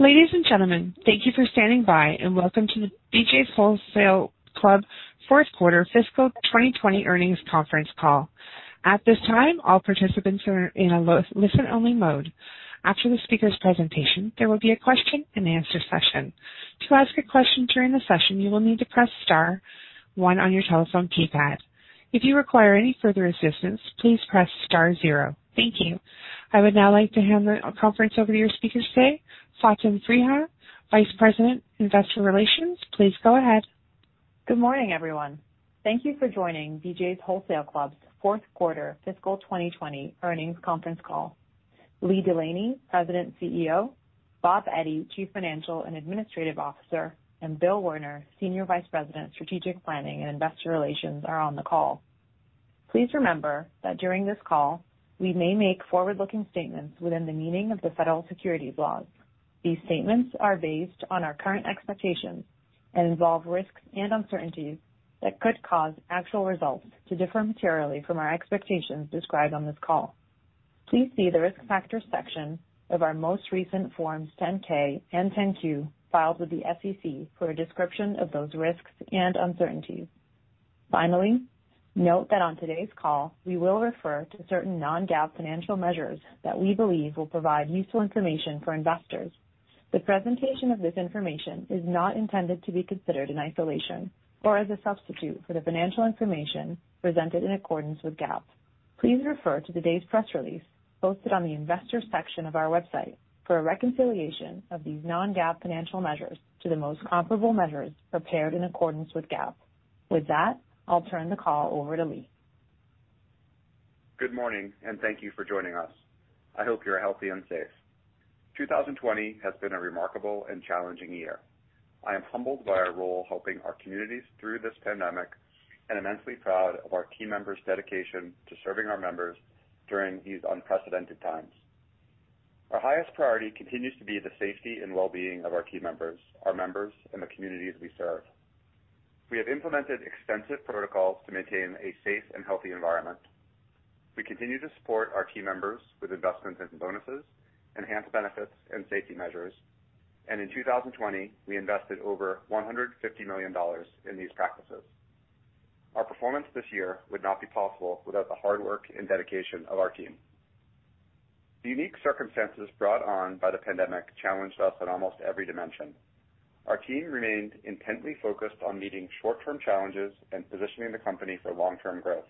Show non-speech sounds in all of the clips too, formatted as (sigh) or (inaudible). Ladies and gentlemen, thank you for standing by, welcome to the BJ's Wholesale Club fourth quarter fiscal 2020 earnings conference call. At this time, all participants are in a listen-only mode. After the speaker's presentation, there will be a question-and-answer session. I would now like to hand the conference over to your speakers today, Faten Freiha, Vice President, Investor Relations. Please go ahead. Good morning, everyone. Thank you for joining BJ's Wholesale Club's fourth quarter fiscal 2020 earnings conference call. Lee Delaney, President, CEO, Bob Eddy, Chief Financial and Administrative Officer, and Bill Werner, Senior Vice President, Strategic Planning and Investor Relations, are on the call. Please remember that during this call, we may make forward-looking statements within the meaning of the federal securities laws. These statements are based on our current expectations and involve risks and uncertainties that could cause actual results to differ materially from our expectations described on this call. Please see the Risk Factors section of our most recent Forms 10-K and Form 10-Q filed with the SEC for a description of those risks and uncertainties. Finally, note that on today's call, we will refer to certain non-GAAP financial measures that we believe will provide useful information for investors. The presentation of this information is not intended to be considered in isolation or as a substitute for the financial information presented in accordance with GAAP. Please refer to today's press release posted on the Investors section of our website for a reconciliation of these non-GAAP financial measures to the most comparable measures prepared in accordance with GAAP. With that, I'll turn the call over to Lee. Good morning, and thank you for joining us. I hope you're healthy and safe. 2020 has been a remarkable and challenging year. I am humbled by our role helping our communities through this pandemic and immensely proud of our team members' dedication to serving our members during these unprecedented times. Our highest priority continues to be the safety and well-being of our team members, our members, and the communities we serve. We have implemented extensive protocols to maintain a safe and healthy environment. We continue to support our team members with investments and bonuses, enhanced benefits, and safety measures. In 2020, we invested over $150 million in these practices. Our performance this year would not be possible without the hard work and dedication of our team. The unique circumstances brought on by the pandemic challenged us in almost every dimension. Our team remained intently focused on meeting short-term challenges and positioning the company for long-term growth,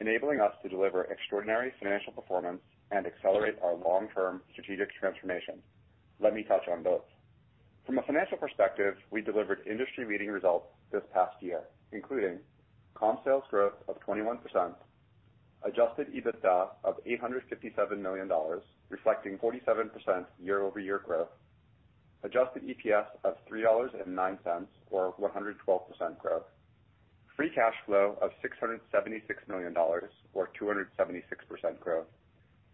enabling us to deliver extraordinary financial performance and accelerate our long-term strategic transformation. Let me touch on both. From a financial perspective, we delivered industry-leading results this past year, including comp sales growth of 21%, adjusted EBITDA of $857 million, reflecting 47% year-over-year growth, adjusted EPS of $3.09, or 112% growth, free cash flow of $676 million, or 276% growth,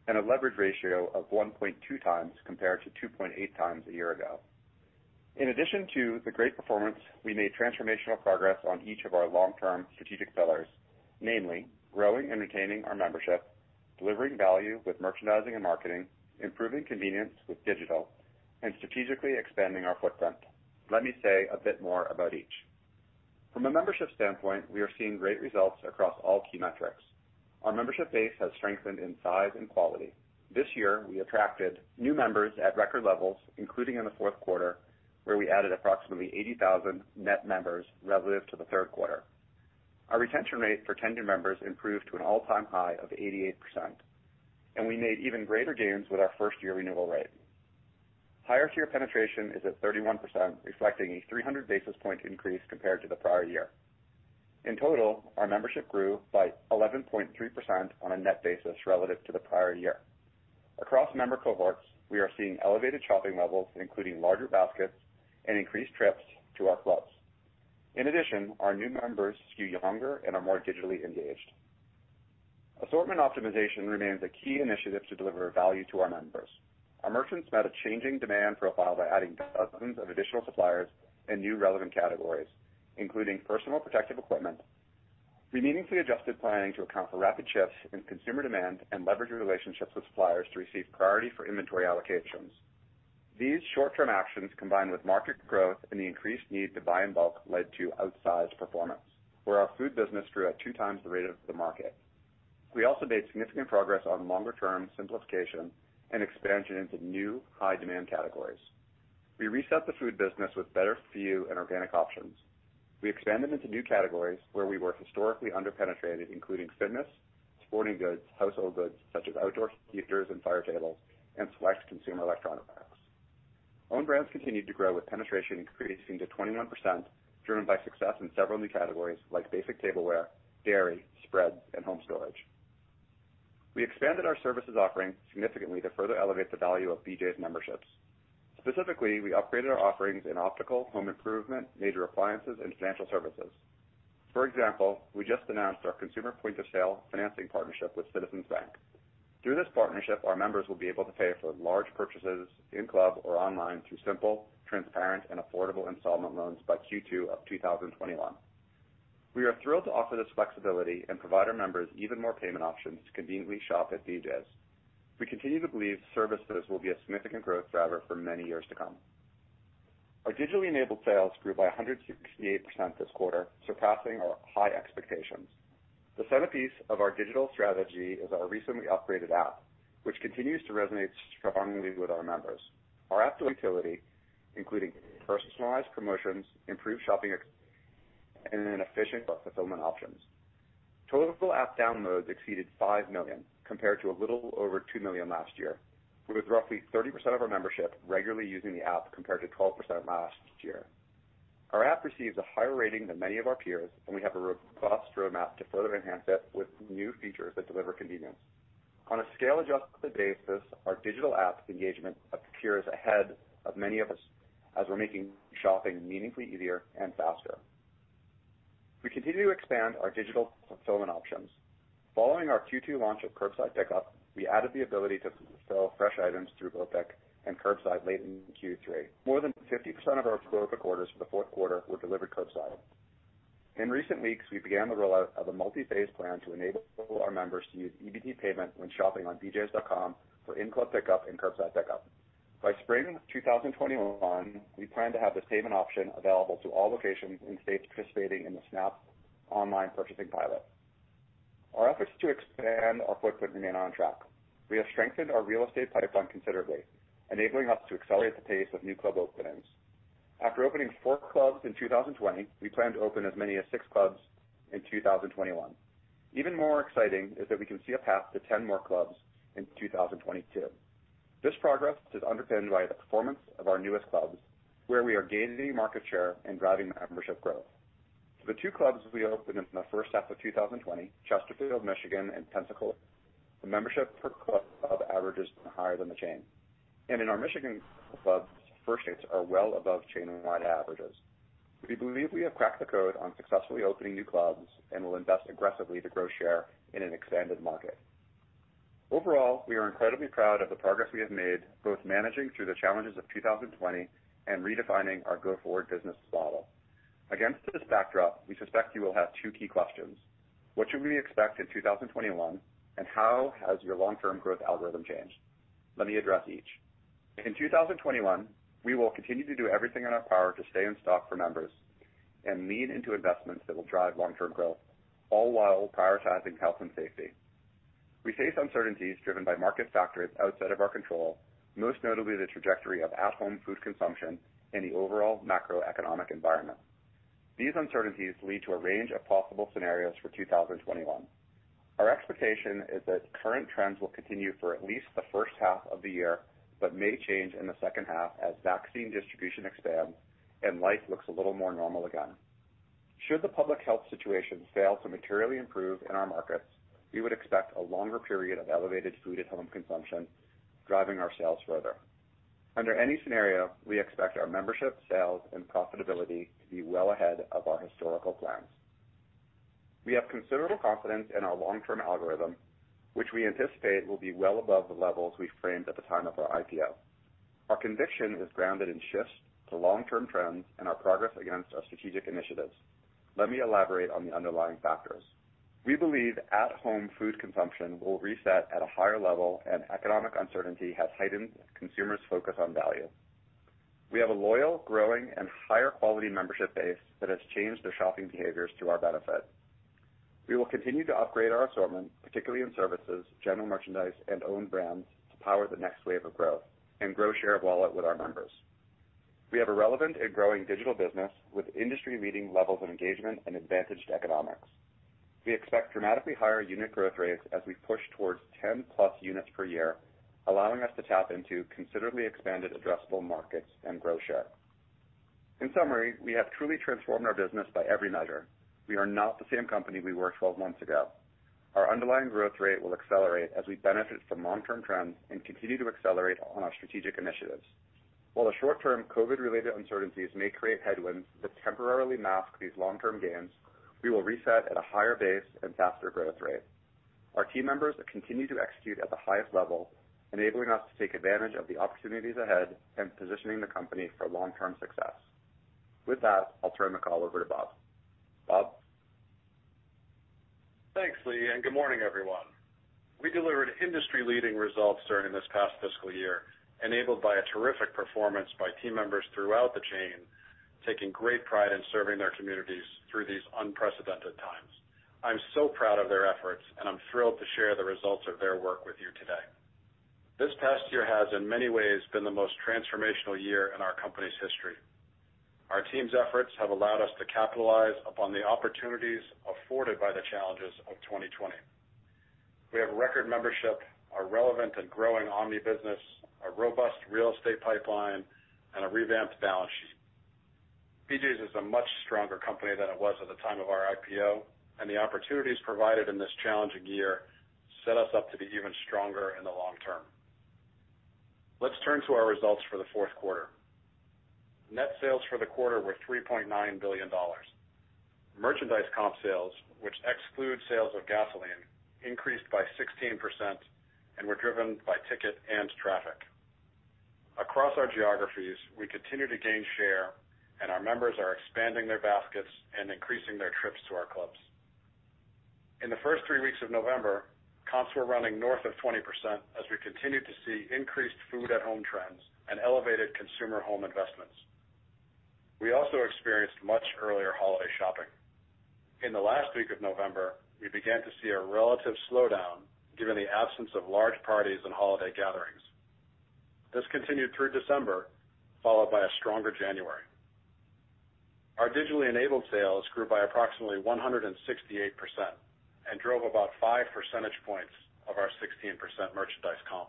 and a leverage ratio of 1.2x compared to 2.8x a year ago. In addition to the great performance, we made transformational progress on each of our long-term strategic pillars, namely growing and retaining our membership, delivering value with merchandising and marketing, improving convenience with digital, and strategically expanding our footprint. Let me say a bit more about each. From a membership standpoint, we are seeing great results across all key metrics. Our membership base has strengthened in size and quality. This year, we attracted new members at record levels, including in the fourth quarter, where we added approximately 80,000 net members relative to the third quarter. Our retention rate for tenured members improved to an all-time high of 88%, and we made even greater gains with our first-year renewal rate. Higher tier penetration is at 31%, reflecting a 300 basis point increase compared to the prior year. In total, our membership grew by 11.3% on a net basis relative to the prior year. Across member cohorts, we are seeing elevated shopping levels, including larger baskets and increased trips to our clubs. In addition, our new members skew younger and are more digitally engaged. Assortment optimization remains a key initiative to deliver value to our members. Our merchants met a changing demand profile by adding dozens of additional suppliers and new relevant categories, including personal protective equipment. We meaningfully adjusted planning to account for rapid shifts in consumer demand and leveraged relationships with suppliers to receive priority for inventory allocations. These short-term actions, combined with market growth and the increased need to buy in bulk, led to outsized performance, where our food business grew at two times the rate of the market. We also made significant progress on longer-term simplification and expansion into new high-demand categories. We reset the food business with better-for-you and organic options. We expanded into new categories where we were historically underpenetrated, including fitness, sporting goods, household goods such as outdoor heaters and fire tables, and select consumer electronic products. Own brands continued to grow, with penetration increasing to 21%, driven by success in several new categories like basic tableware, dairy, spreads, and home storage. We expanded our services offering significantly to further elevate the value of BJ's memberships. Specifically, we upgraded our offerings in optical, home improvement, major appliances, and financial services. For example, we just announced our consumer point-of-sale financing partnership with Citizens Bank. Through this partnership, our members will be able to pay for large purchases in club or online through simple, transparent, and affordable installment loans by Q2 of 2021. We are thrilled to offer this flexibility and provide our members even more payment options to conveniently shop at BJ's. We continue to believe services will be a significant growth driver for many years to come. Our digitally enabled sales grew by 168% this quarter, surpassing our high expectations. The centerpiece of our digital strategy is our recently upgraded app, which continues to resonate strongly with our members. Our app's utility, including personalized promotions, improved shopping, and efficient fulfillment options. Total app downloads exceeded 5 million, compared to a little over 2 million last year, with roughly 30% of our membership regularly using the app, compared to 12% last year. Our app receives a higher rating than many of our peers, and we have a robust roadmap to further enhance it with new features that deliver convenience. On a scale-adjusted basis, our digital app engagement appears ahead of many of us as we're making shopping meaningfully easier and faster. We continue to expand our digital fulfillment options. Following our Q2 launch of curbside pickup, we added the ability to fulfill fresh items through BOPIC and curbside late in Q3. More than 50% of our club orders for the fourth quarter were delivered curbside. In recent weeks, we began the rollout of a multi-phase plan to enable our members to use EBT payment when shopping on bjs.com for in-club pickup and curbside pickup. By spring 2021, we plan to have this payment option available to all locations in states participating in the SNAP Online Purchasing Pilot. Our efforts to expand our footprint remain on track. We have strengthened our real estate pipeline considerably, enabling us to accelerate the pace of new club openings. After opening four clubs in 2020, we plan to open as many as six clubs in 2021. Even more exciting is that we can see a path to 10 more clubs in 2022. This progress is underpinned by the performance of our newest clubs, where we are gaining market share and driving membership growth. For the two clubs we opened in the first half of 2020, Chesterfield, Michigan and Pensacola, the membership per club average is higher than the chain. In our Michigan clubs, first dates are well above chain-wide averages. We believe we have cracked the code on successfully opening new clubs and will invest aggressively to grow share in an expanded market. Overall, we are incredibly proud of the progress we have made, both managing through the challenges of 2020 and redefining our go-forward business model. Against this backdrop, we suspect you will have two key questions. What should we expect in 2021, and how has your long-term growth algorithm changed? Let me address each. In 2021, we will continue to do everything in our power to stay in stock for members and lean into investments that will drive long-term growth, all while prioritizing health and safety. We face uncertainties driven by market factors outside of our control, most notably the trajectory of at-home food consumption and the overall macroeconomic environment. These uncertainties lead to a range of possible scenarios for 2021. Our expectation is that current trends will continue for at least the first half of the year but may change in the second half as vaccine distribution expands and life looks a little more normal again. Should the public health situation fail to materially improve in our markets, we would expect a longer period of elevated food-at-home consumption, driving our sales further. Under any scenario, we expect our membership, sales, and profitability to be well ahead of our historical plans. We have considerable confidence in our long-term algorithm, which we anticipate will be well above the levels we framed at the time of our IPO. Our conviction is grounded in shifts to long-term trends and our progress against our strategic initiatives. Let me elaborate on the underlying factors. We believe at-home food consumption will reset at a higher level, and economic uncertainty has heightened consumers' focus on value. We have a loyal, growing and higher quality membership base that has changed their shopping behaviors to our benefit. We will continue to upgrade our assortment, particularly in services, general merchandise, and own brands, to power the next wave of growth and grow share of wallet with our members. We have a relevant and growing digital business with industry-leading levels of engagement and advantaged economics. We expect dramatically higher unit growth rates as we push towards 10+ units per year, allowing us to tap into considerably expanded addressable markets and grow share. In summary, we have truly transformed our business by every measure. We are not the same company we were 12 months ago. Our underlying growth rate will accelerate as we benefit from long-term trends and continue to accelerate on our strategic initiatives. While the short-term COVID-related uncertainties may create headwinds that temporarily mask these long-term gains, we will reset at a higher base and faster growth rate. Our team members continue to execute at the highest level, enabling us to take advantage of the opportunities ahead and positioning the company for long-term success. With that, I'll turn the call over to Bob. Bob? Thanks, Lee. Good morning, everyone. We delivered industry-leading results during this past fiscal year, enabled by a terrific performance by team members throughout the chain, taking great pride in serving their communities through these unprecedented times. I'm so proud of their efforts, and I'm thrilled to share the results of their work with you today. This past year has, in many ways, been the most transformational year in our company's history. Our team's efforts have allowed us to capitalize upon the opportunities afforded by the challenges of 2020. We have record membership, a relevant and growing omni business, a robust real estate pipeline, and a revamped balance sheet. BJ's is a much stronger company than it was at the time of our IPO, and the opportunities provided in this challenging year set us up to be even stronger in the long term. Let's turn to our results for the fourth quarter. Net sales for the quarter were $3.9 billion. Merchandise comp sales, which exclude sales of gasoline, increased by 16% and were driven by ticket and traffic. Across our geographies, we continue to gain share, and our members are expanding their baskets and increasing their trips to our clubs. In the first three weeks of November, comps were running north of 20% as we continued to see increased food-at-home trends and elevated consumer home investments. We also experienced much earlier holiday shopping. In the last week of November, we began to see a relative slowdown given the absence of large parties and holiday gatherings. This continued through December, followed by a stronger January. Our digitally enabled sales grew by approximately 168% and drove about five percentage points of our 16% merchandise comp.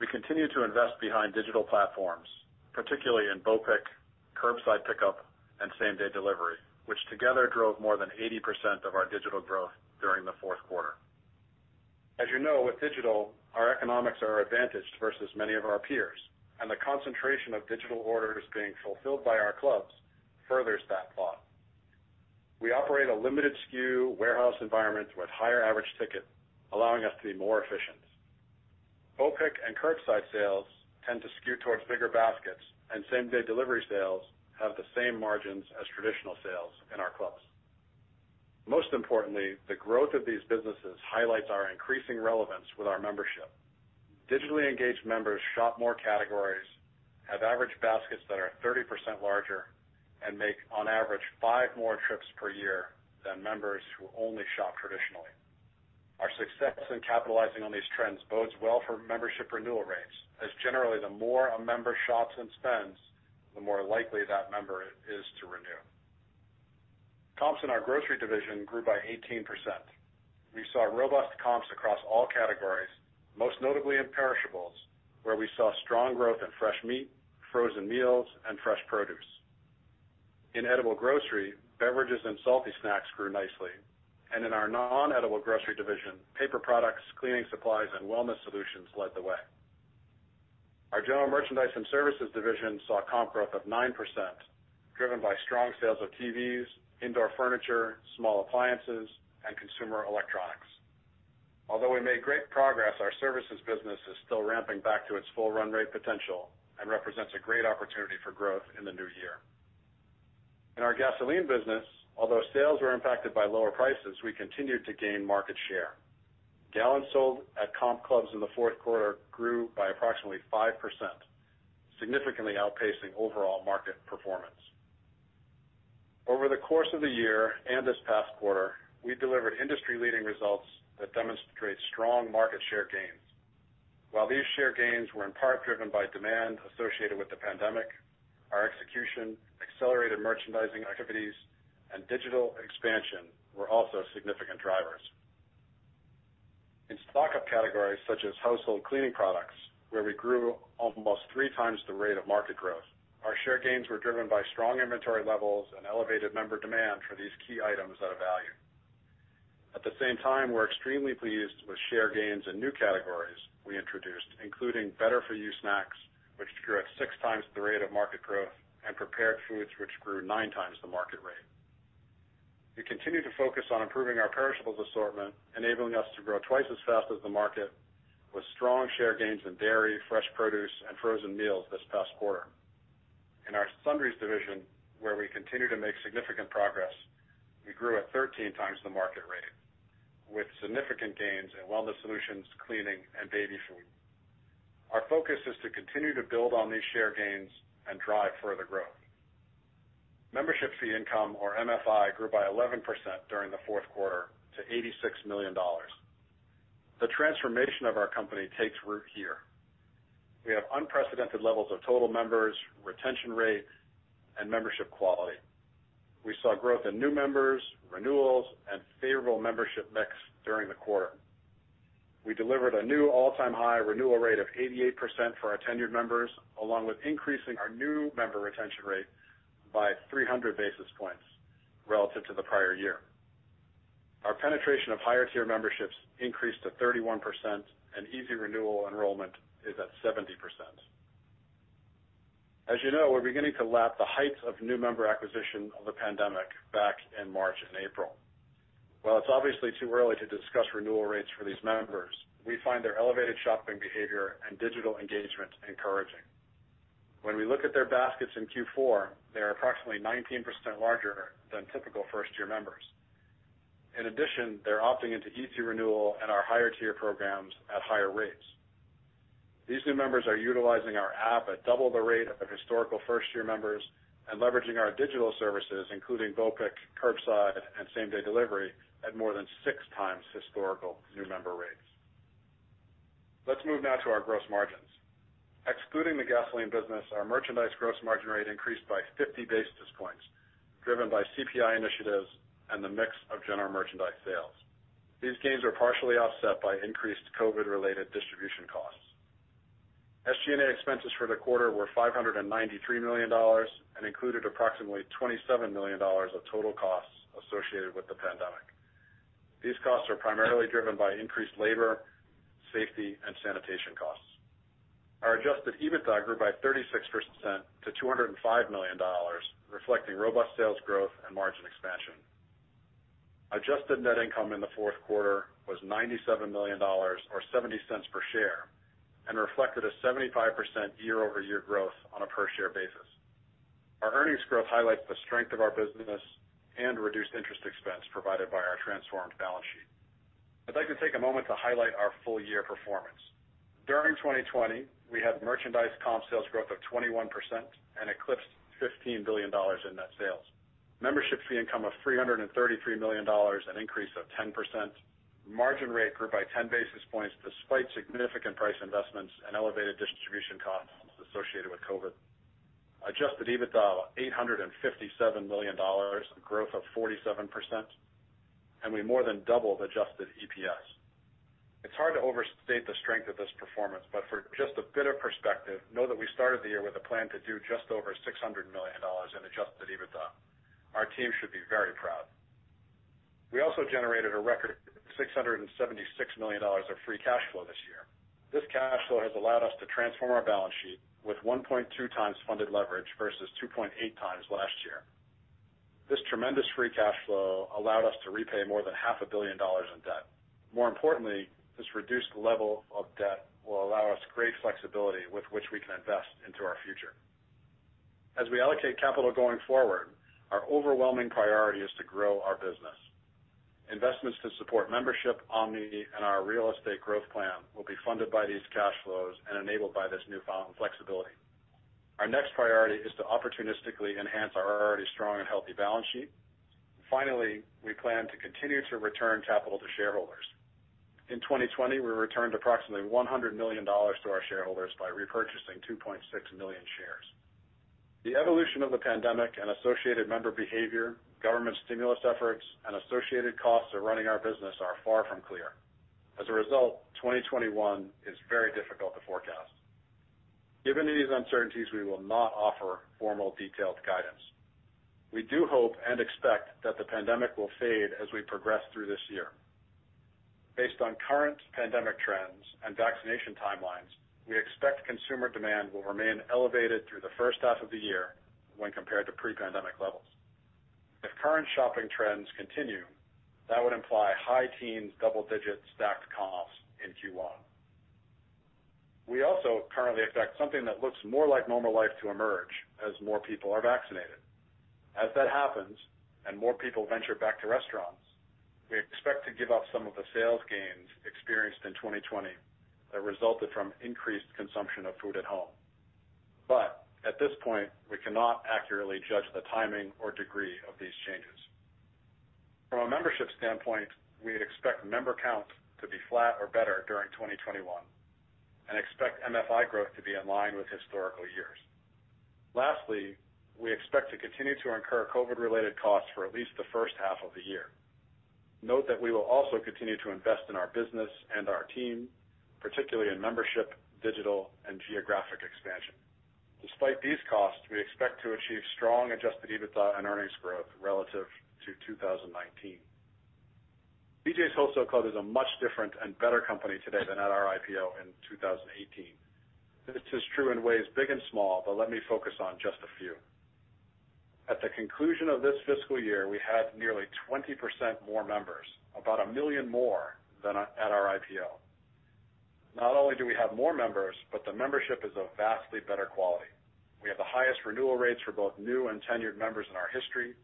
We continue to invest behind digital platforms, particularly in BOPIC, curbside pickup, and same-day delivery, which together drove more than 80% of our digital growth during the fourth quarter. As you know, with digital, our economics are advantaged versus many of our peers, and the concentration of digital orders being fulfilled by our clubs furthers that thought. We operate a limited SKU warehouse environment with higher average ticket, allowing us to be more efficient. BOPIC and curbside sales tend to skew towards bigger baskets, and same-day delivery sales have the same margins as traditional sales in our clubs. Most importantly, the growth of these businesses highlights our increasing relevance with our membership. Digitally engaged members shop more categories, have average baskets that are 30% larger, and make on average five more trips per year than members who only shop traditionally. Our success in capitalizing on these trends bodes well for membership renewal rates, as generally the more a member shops and spends, the more likely that member is to renew. Comps in our grocery division grew by 18%. We saw robust comps across all categories, most notably in perishables, where we saw strong growth in fresh meat, frozen meals, and fresh produce. In edible grocery, beverages and salty snacks grew nicely, and in our non-edible grocery division, paper products, cleaning supplies, and wellness solutions led the way. Our general merchandise and services division saw comp growth of 9%, driven by strong sales of TVs, indoor furniture, small appliances, and consumer electronics. Although we made great progress, our services business is still ramping back to its full run rate potential and represents a great opportunity for growth in the new year. In our gasoline business, although sales were impacted by lower prices, we continued to gain market share. Gallons sold at comp clubs in the fourth quarter grew by approximately 5%, significantly outpacing overall market performance. Over the course of the year and this past quarter, we delivered industry-leading results that demonstrate strong market share gains. While these share gains were in part driven by demand associated with the pandemic, our execution, accelerated merchandising activities, and digital expansion were also significant drivers. In stock-up categories such as household cleaning products, where we grew almost 3x the rate of market growth, our share gains were driven by strong inventory levels and elevated member demand for these key items that have value. At the same time, we're extremely pleased with share gains in new categories we introduced, including better-for-you snacks, which grew at six times the rate of market growth, and prepared foods, which grew nine times the market rate. We continue to focus on improving our perishables assortment, enabling us to grow twice as fast as the market, with strong share gains in dairy, fresh produce, and frozen meals this past quarter. In our sundries division, where we continue to make significant progress, we grew at 13x the market rate, with significant gains in wellness solutions, cleaning, and baby food. Our focus is to continue to build on these share gains and drive further growth. Membership Fee Income, or MFI, grew by 11% during the fourth quarter to $86 million. The transformation of our company takes root here. We have unprecedented levels of total members, retention rate, and membership quality. We saw growth in new members, renewals, and favorable membership mix during the quarter. We delivered a new all-time high renewal rate of 88% for our tenured members, along with increasing our new member retention rate by 300 basis points relative to the prior year. Our penetration of higher-tier memberships increased to 31%, and Easy Renewal enrollment is at 70%. As you know, we're beginning to lap the heights of new member acquisition of the pandemic back in March and April. While it's obviously too early to discuss renewal rates for these members, we find their elevated shopping behavior and digital engagement encouraging. When we look at their baskets in Q4, they are approximately 19% larger than typical first-year members. In addition, they're opting into Easy Renewal and our higher-tier programs at higher rates. These new members are utilizing our app at double the rate of historical first-year members and leveraging our digital services, including BOPIC, curbside, and same-day delivery, at more than six times historical new member rates. Let's move now to our gross margins. Excluding the gasoline business, our merchandise gross margin rate increased by 50 basis points, driven by CPI initiatives and the mix of general merchandise sales. These gains were partially offset by increased COVID-related distribution costs. SG&A expenses for the quarter were $593 million and included approximately $27 million of total costs associated with the pandemic. These costs are primarily driven by increased labor, safety, and sanitation costs. Our adjusted EBITDA grew by 36% to $205 million, reflecting robust sales growth and margin expansion. Adjusted net income in the fourth quarter was $97 million, or $0.70 per share, and reflected a 75% year-over-year growth on a per share basis. Our earnings growth highlights the strength of our business and reduced interest expense provided by our transformed balance sheet. I'd like to take a moment to highlight our full-year performance. During 2020, we had merchandise comp sales growth of 21% and eclipsed $15 billion in net sales. Membership Fee Income of $333 million, an increase of 10%. Margin rate grew by 10 basis points despite significant price investments and elevated distribution costs associated with COVID. Adjusted EBITDA, $857 million, a growth of 47%, and we more than doubled adjusted EPS. It's hard to overstate the strength of this performance, but for just a bit of perspective, know that we started the year with a plan to do just over $600 million in adjusted EBITDA. Our team should be very proud. We also generated a record $676 million of free cash flow this year. This cash flow has allowed us to transform our balance sheet with 1.2x funded leverage versus 2.8x last year. This tremendous free cash flow allowed us to repay more than $500,000,000 in debt. More importantly, this reduced level of debt will allow us great flexibility with which we can invest into our future. As we allocate capital going forward, our overwhelming priority is to grow our business. Investments to support membership, omni, and our real estate growth plan will be funded by these cash flows and enabled by this newfound flexibility. Our next priority is to opportunistically enhance our already strong and healthy balance sheet. Finally, we plan to continue to return capital to shareholders. In 2020, we returned approximately $100 million to our shareholders by repurchasing 2.6 million shares. The evolution of the pandemic and associated member behavior, government stimulus efforts, and associated costs of running our business are far from clear. As a result, 2021 is very difficult to forecast. Given these uncertainties, we will not offer formal detailed guidance. We do hope and expect that the pandemic will fade as we progress through this year. Based on current pandemic trends and vaccination timelines, we expect consumer demand will remain elevated through the first half of the year when compared to pre-pandemic levels. If current shopping trends continue, that would imply high teens double-digit stacked comps in Q1. We also currently expect something that looks more like normal life to emerge as more people are vaccinated. As that happens, and more people venture back to restaurants, we expect to give up some of the sales gains experienced in 2020 that resulted from increased consumption of food at home. At this point, we cannot accurately judge the timing or degree of these changes. From a membership standpoint, we expect member count to be flat or better during 2021 and expect MFI growth to be in line with historical years. Lastly, we expect to continue to incur COVID-related costs for at least the first half of the year. Note that we will also continue to invest in our business and our team, particularly in membership, digital, and geographic expansion. Despite these costs, we expect to achieve strong adjusted EBITDA and earnings growth relative to 2019. BJ’s Wholesale Club is a much different and better company today than at our IPO in 2018. This is true in ways big and small, but let me focus on just a few. At the conclusion of this fiscal year, we had nearly 20% more members, about a million more than at our IPO. Not only do we have more members, but the membership is of vastly better quality. We have the highest renewal rates for both new and tenured members in our history.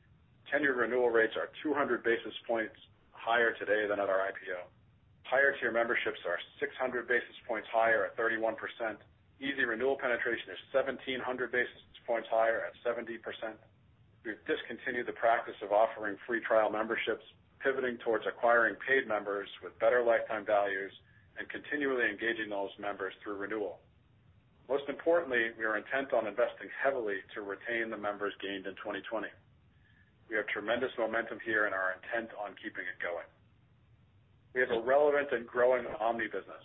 Tenured renewal rates are 200 basis points higher today than at our IPO. Higher-tier memberships are 600 basis points higher at 31%. Easy Renewal penetration is 1,700 basis points higher at 70%. We've discontinued the practice of offering free trial memberships, pivoting towards acquiring paid members with better lifetime values and continually engaging those members through renewal. Most importantly, we are intent on investing heavily to retain the members gained in 2020. We have tremendous momentum here and are intent on keeping it going. We have a relevant and growing omni business.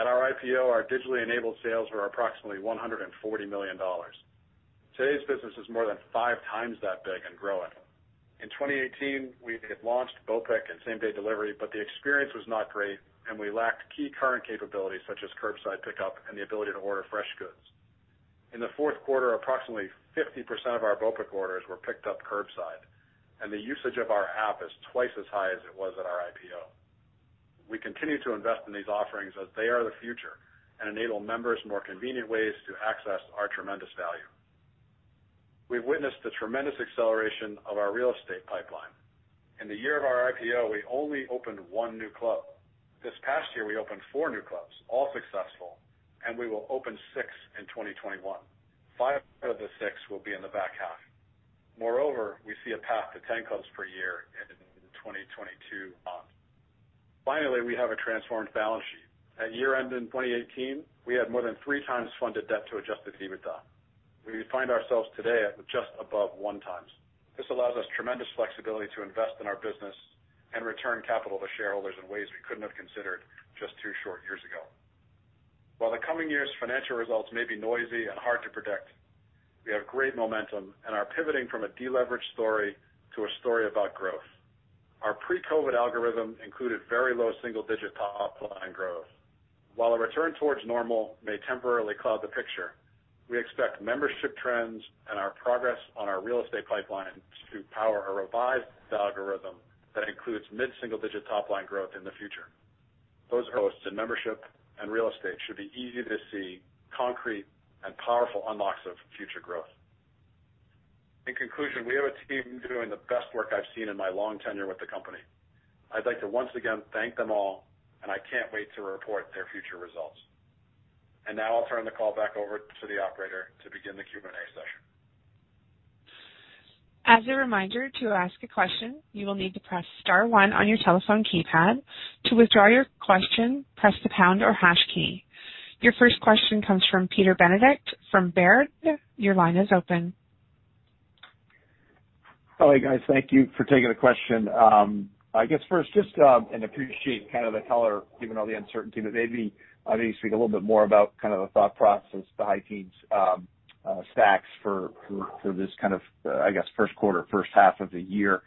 At our IPO, our digitally enabled sales were approximately $140 million. Today's business is more than 5x that big and growing. In 2018, we had launched BOPIC and same-day delivery, but the experience was not great, and we lacked key current capabilities such as curbside pickup and the ability to order fresh goods. In the fourth quarter, approximately 50% of our BOPIC orders were picked up curbside, and the usage of our app is twice as high as it was at our IPO. We continue to invest in these offerings as they are the future and enable members more convenient ways to access our tremendous value. We've witnessed the tremendous acceleration of our real estate pipeline. In the year of our IPO, we only opened one new club. This past year, we opened four new clubs, all successful, and we will open six in 2021. Five of the six will be in the back half. Moreover, we see a path to 10 clubs per year in the 2022 months. Finally, we have a transformed balance sheet. At year end in 2018, we had more than 3x funded debt to adjusted EBITDA. We find ourselves today at just above 1x. This allows us tremendous flexibility to invest in our business and return capital to shareholders in ways we couldn't have considered just two short years ago. While the coming year's financial results may be noisy and hard to predict, we have great momentum and are pivoting from a deleverage story to a story about growth. Our pre-COVID algorithm included very low single-digit top-line growth. While a return towards normal may temporarily cloud the picture, we expect membership trends and our progress on our real estate pipeline to power a revised algorithm that includes mid-single-digit top-line growth in the future. Those boosts in membership and real estate should be easy to see concrete and powerful unlocks of future growth. In conclusion, we have a team doing the best work I've seen in my long tenure with the company. I'd like to once again thank them all. I can't wait to report their future results. Now I'll turn the call back over to the operator to begin the Q&A session. As a reminder, to ask a question, you will need to press star one on your telephone keypad. To withdraw your question, press the pound or hash key. Your first question comes from Peter Benedict from Baird. Your line is open. Hi, guys. Thank you for taking the question. I guess first, appreciate the color, given all the uncertainty. Maybe I need to speak a little bit more about the thought process behind comp stacks for this first quarter, first half of the year.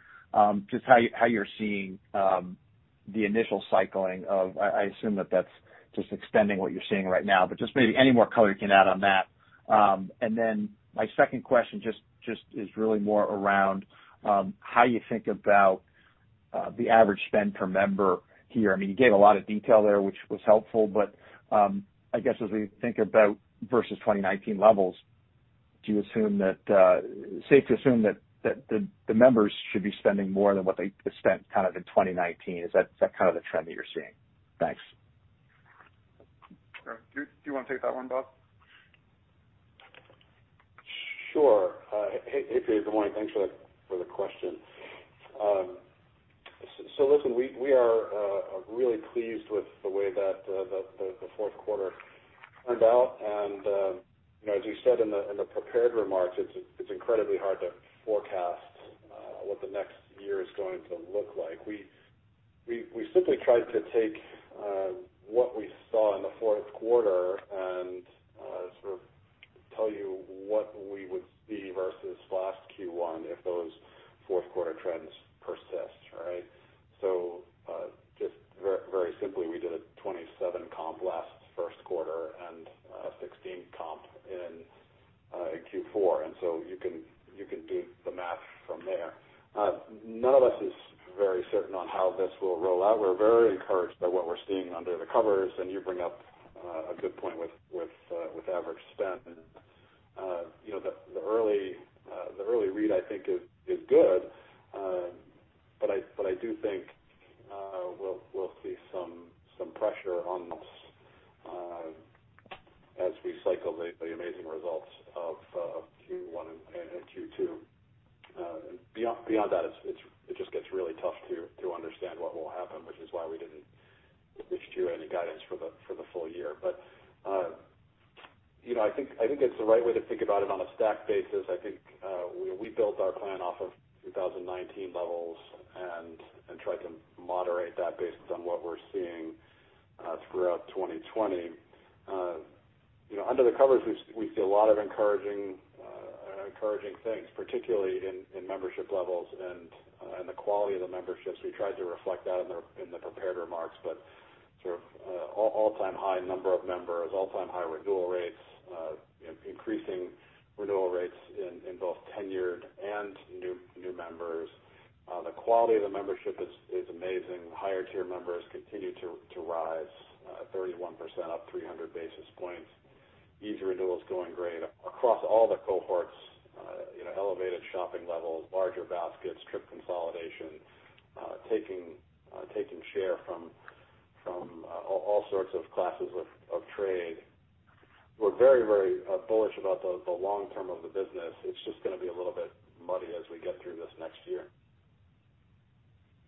Just how you're seeing the initial cycling of. I assume that that's just extending what you're seeing right now. Just maybe any more color you can add on that. My second question just is really more around how you think about the average spend per member here. You gave a lot of detail there, which was helpful. I guess as we think about versus 2019 levels, is it safe to assume that the members should be spending more than what they spent in 2019? Is that the trend that you're seeing? Thanks. Do you want to take that one, Bob? Sure. Hey, Peter. Good morning. Thanks for the question. Listen, we are really pleased with the way that the fourth quarter turned out, and as we said in the prepared remarks, it's incredibly hard to forecast what the next year is going to look like. We simply tried to take what we saw in the fourth quarter and sort of tell you what we would see versus last Q1 if those fourth quarter trends persist. Just very simply, we did a 27 comp last first quarter and a 16 comp in Q4. You can do the math from there. None of us is very certain on how this will roll out. We're very encouraged by what we're seeing under the covers, and you bring up a good point with average spend. The early read, I think is good, but I do think we'll see some pressure on this as we cycle the amazing results of Q1 and Q2. Beyond that, it just gets really tough to understand what will happen, which is why we didn't issue any guidance for the full year. I think it's the right way to think about it on a stack basis. I think we built our plan off of 2019 levels and tried to moderate that based on what we're seeing throughout 2020. Under the covers, we see a lot of encouraging things, particularly in membership levels and the quality of the memberships. We tried to reflect that in the prepared remarks, but sort of all-time high number of members, all-time high renewal rates, increasing renewal rates in both tenured and new members. The quality of the membership is amazing. Higher-tier members continue to rise 31%, up 300 basis points. Easy Renewal is going great across all the cohorts. Elevated shopping levels, larger baskets, trip consolidation, taking share from all sorts of classes of trade. We're very bullish about the long-term of the business. It's just going to be a little bit muddy as we get through this next year.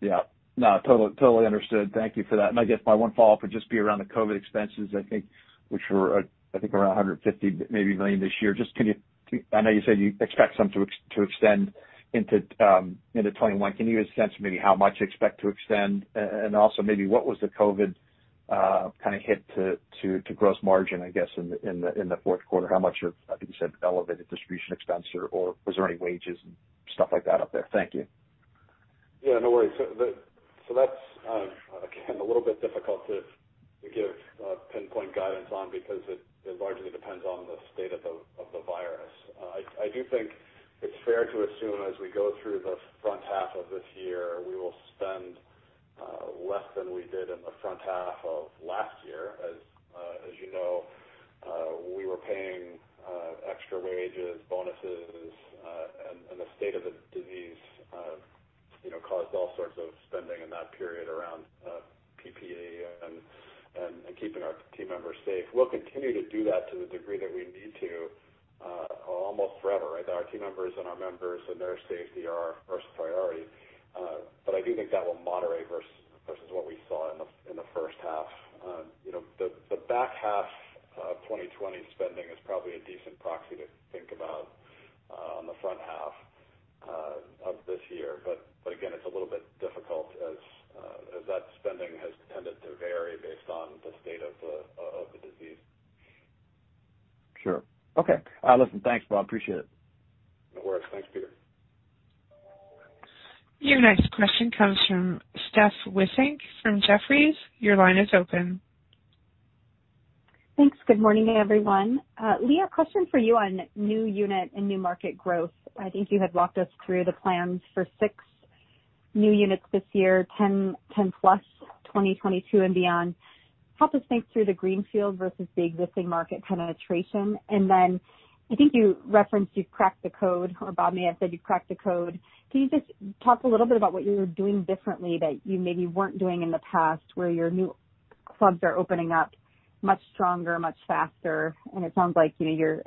Yeah. No, totally understood. Thank you for that. I guess my one follow-up would just be around the COVID expenses, I think, which were, I think, around $150 million this year. I know you said you expect some to extend into 2021. Can you give a sense maybe how much you expect to extend? Also maybe what was the COVID hit to gross margin, I guess, in the fourth quarter? How much of, I think you said elevated distribution expense, or was there any wages and stuff like that up there? Thank you. No worries. That's, again, a little bit difficult to give pinpoint guidance on because it largely depends on the state of the virus. I do think it's fair to assume as we go through the front half of this year, we will spend less than we did in the front half of last year. As you know, we were paying extra wages, bonuses, and the state of the disease caused all sorts of spending in that period around PPE and keeping our team members safe. We'll continue to do that to the degree that we need to almost forever. Our team members and our members and their safety are our first priority. I do think that will moderate versus what we saw in the first half. The back half of 2020 spending is probably a decent proxy to think about on the front half of this year. Again, it's a little bit difficult as that spending has tended to vary based on the state of the disease. Sure. Okay. Listen, thanks, Bob. Appreciate it. No worries. Thanks, Peter. Your next question comes from Steph Wissink from Jefferies. Your line is open. Thanks. Good morning to everyone. Lee, question for you on new unit and new market growth. I think you had walked us through the plans for six new units this year, 10+ 2022 and beyond. Help us think through the greenfield versus the existing market penetration. I think you referenced you've cracked the code, or Bob may have said you've cracked the code. Can you just talk a little bit about what you're doing differently that you maybe weren't doing in the past, where your new clubs are opening up much stronger, much faster? It sounds like your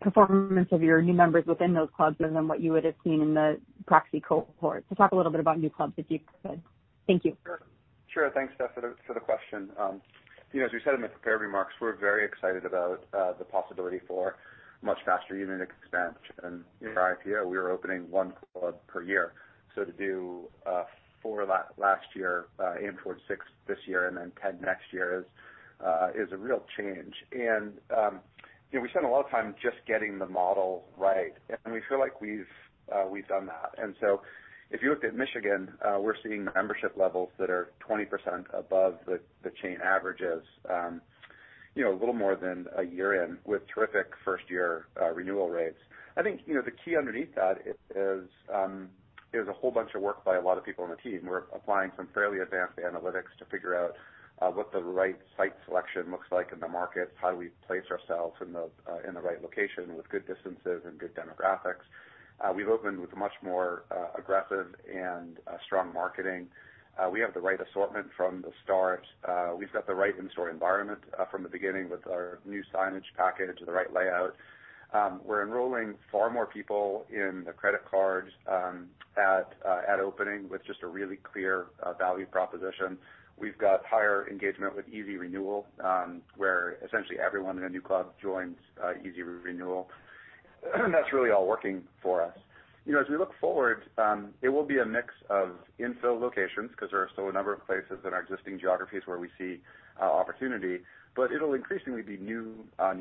performance of your new members within those clubs is than what you would have seen in the proxy cohort. Talk a little bit about new clubs, if you could. Thank you. Sure. Thanks, Steph, for the question. As we said in the prepared remarks, we're very excited about the possibility for much faster unit expansion. In our IPO, we were opening one club per year. To do four last year, aim towards six this year, and then 10 next year is a real change. We spent a lot of time just getting the model right. We feel like we've done that. If you looked at Michigan, we're seeing membership levels that are 20% above the chain averages a little more than a year in with terrific first-year renewal rates. I think, the key underneath that is a whole bunch of work by a lot of people on the team. We're applying some fairly advanced analytics to figure out what the right site selection looks like in the market, how we place ourselves in the right location with good distances and good demographics. We've opened with much more aggressive and strong marketing. We have the right assortment from the start. We've got the right in-store environment from the beginning with our new signage package and the right layout. We're enrolling far more people in the credit cards at opening with just a really clear value proposition. We've got higher engagement with Easy Renewal, where essentially everyone in a new club joins Easy Renewal. That's really all working for us. As we look forward, it will be a mix of infill locations because there are still a number of places in our existing geographies where we see opportunity, but it'll increasingly be new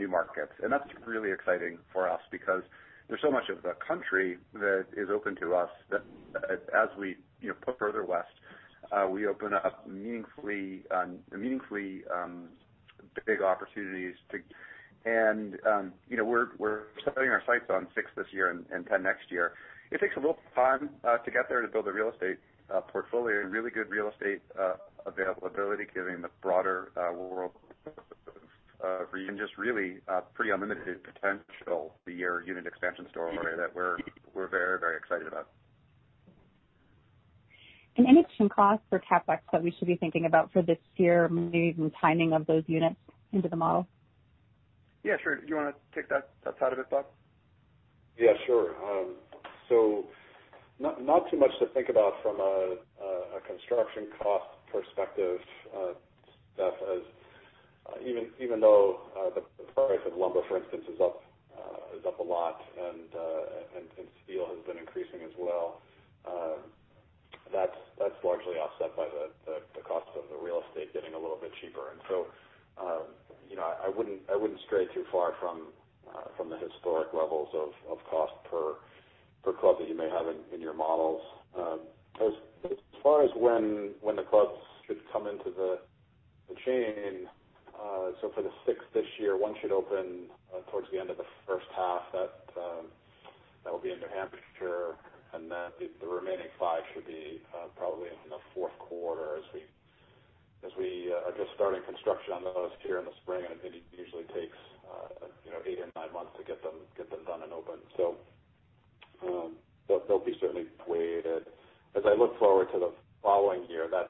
markets. That's really exciting for us because there's so much of the country that is open to us that, as we put further west, we open up meaningfully big opportunities. We're setting our sights on six this year and 10 next year. It takes a little time to get there to build a real estate portfolio, really good real estate availability, given the broader world and just really pretty unlimited potential for your unit expansion story that we're very excited about. Any costs or CapEx that we should be thinking about for this year, maybe even timing of those units into the model? Yeah, sure. Do you want to take that side of it, Bob? Yeah, sure. Not too much to think about from a construction cost perspective, Steph, as even though the price of lumber, for instance, is up a lot and steel has been increasing as well, that's largely offset by the cost of the real estate getting a little bit cheaper. I wouldn't stray too far from the historic levels of cost per club that you may have in your models. As far as when the clubs should come into the chain, for the six this year, one should open towards the end of the first half. That will be in New Hampshire, the remaining five should be probably in the fourth quarter as we are just starting construction on those here in the spring. It usually takes eight or nine months to get them done and open. They'll be certainly weighted. As I look forward to the following year, that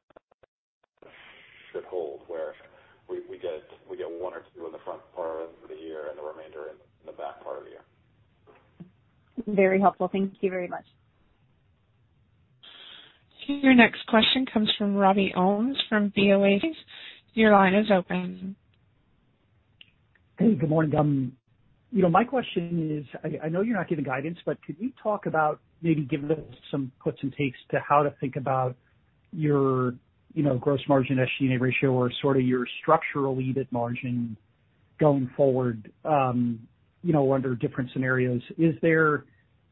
should hold where we get one or two in the front part of the year and the remainder in the back part of the year. Very helpful. Thank you very much. Your next question comes from Robby Ohmes from BofA. Your line is open. Hey, good morning. My question is, I know you're not giving guidance, but could you talk about maybe giving us some puts and takes to how to think about your gross margin, SG&A ratio, or sort of your structural EBIT margin going forward under different scenarios?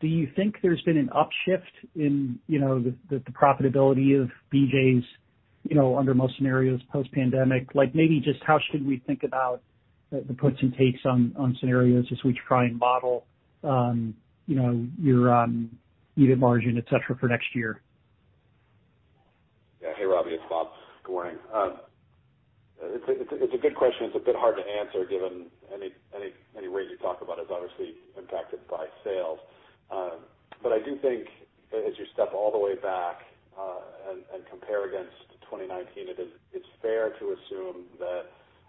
Do you think there's been an upshift in the profitability of BJ's under most scenarios post-pandemic? Maybe just how should we think about the puts and takes on scenarios as we try and model your EBIT margin, et cetera, for next year? Yeah. Hey, Robby. It's Bob. Good morning. It's a good question. It's a bit hard to answer given any rate you talk about is obviously impacted by sales. I do think as you step all the way back and compare against 2019, it's fair to assume that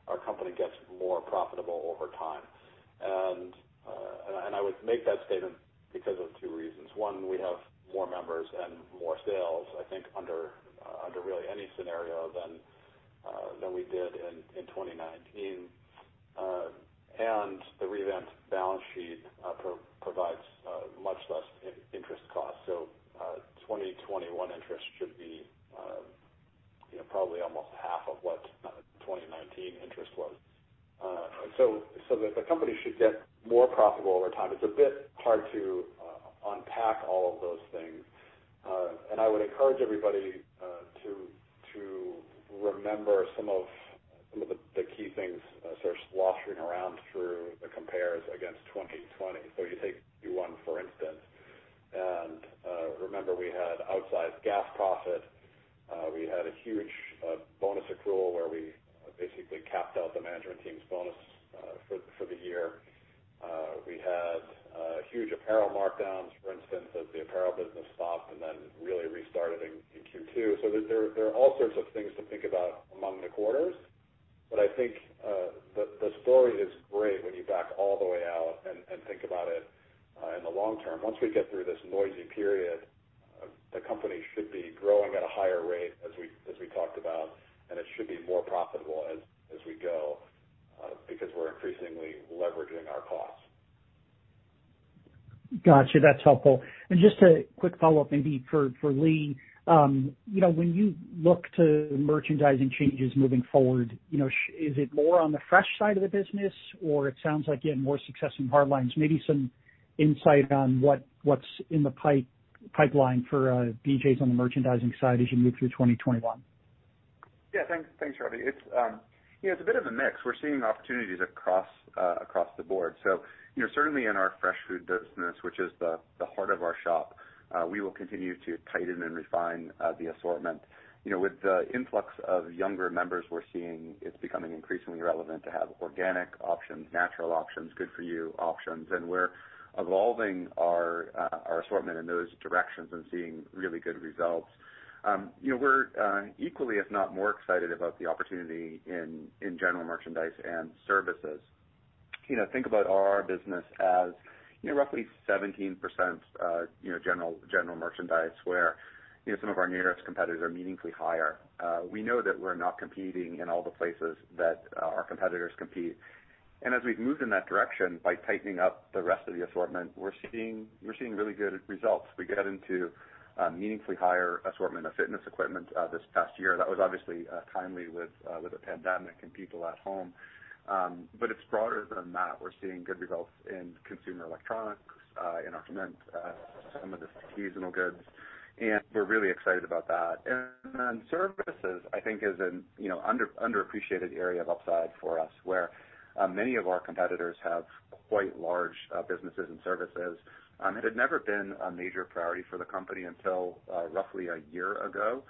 our company gets more profitable over time. I would make that statement because of two reasons. One, we have more members and more sales, I think, under really any scenario than we did in 2019. The reinvented balance sheet 2021 interest should be probably almost half of what 2019 interest was. The company should get more profitable over time. It's a bit hard to unpack all of those things. I would encourage everybody to remember some of the key things sort of sloshing around through the compares against 2020. You take Q1, for instance, and remember we had outsized gas profit. We had a huge bonus accrual where we basically capped out the management team's bonus for the year. We had huge apparel markdowns, for instance, as the apparel business stopped and then really restarted in Q2. There are all sorts of things to think about among the quarters. I think the story is great when you back all the way out and think about it in the long term. Once we get through this noisy period, the company should be growing at a higher rate as we talked about, and it should be more profitable as we go because we're increasingly leveraging our costs. Got you. That's helpful. Just a quick follow-up, maybe for Lee. When you look to merchandising changes moving forward, is it more on the fresh side of the business or it sounds like, again, more success in hard lines? Maybe some insight on what's in the pipeline for BJ's on the merchandising side as you move through 2021? Yeah, thanks, Robby. It's a bit of a mix. We're seeing opportunities across the board. Certainly in our fresh food business, which is the heart of our shop, we will continue to tighten and refine the assortment. With the influx of younger members we're seeing, it's becoming increasingly relevant to have organic options, natural options, good for you options, and we're evolving our assortment in those directions and seeing really good results. We're equally, if not more excited about the opportunity in general merchandise and services. Think about our business as roughly 17% general merchandise, where some of our nearest competitors are meaningfully higher. We know that we're not competing in all the places that our competitors compete. As we've moved in that direction by tightening up the rest of the assortment, we're seeing really good results. We got into a meaningfully higher assortment of fitness equipment this past year. That was obviously timely with the pandemic and people at home. It's broader than that. We're seeing good results in consumer electronics, in our cement, some of the seasonal goods, and we're really excited about that. Services, I think, is an underappreciated area of upside for us, where many of our competitors have quite large businesses and services. It had never been a major priority for the company until roughly a year ago,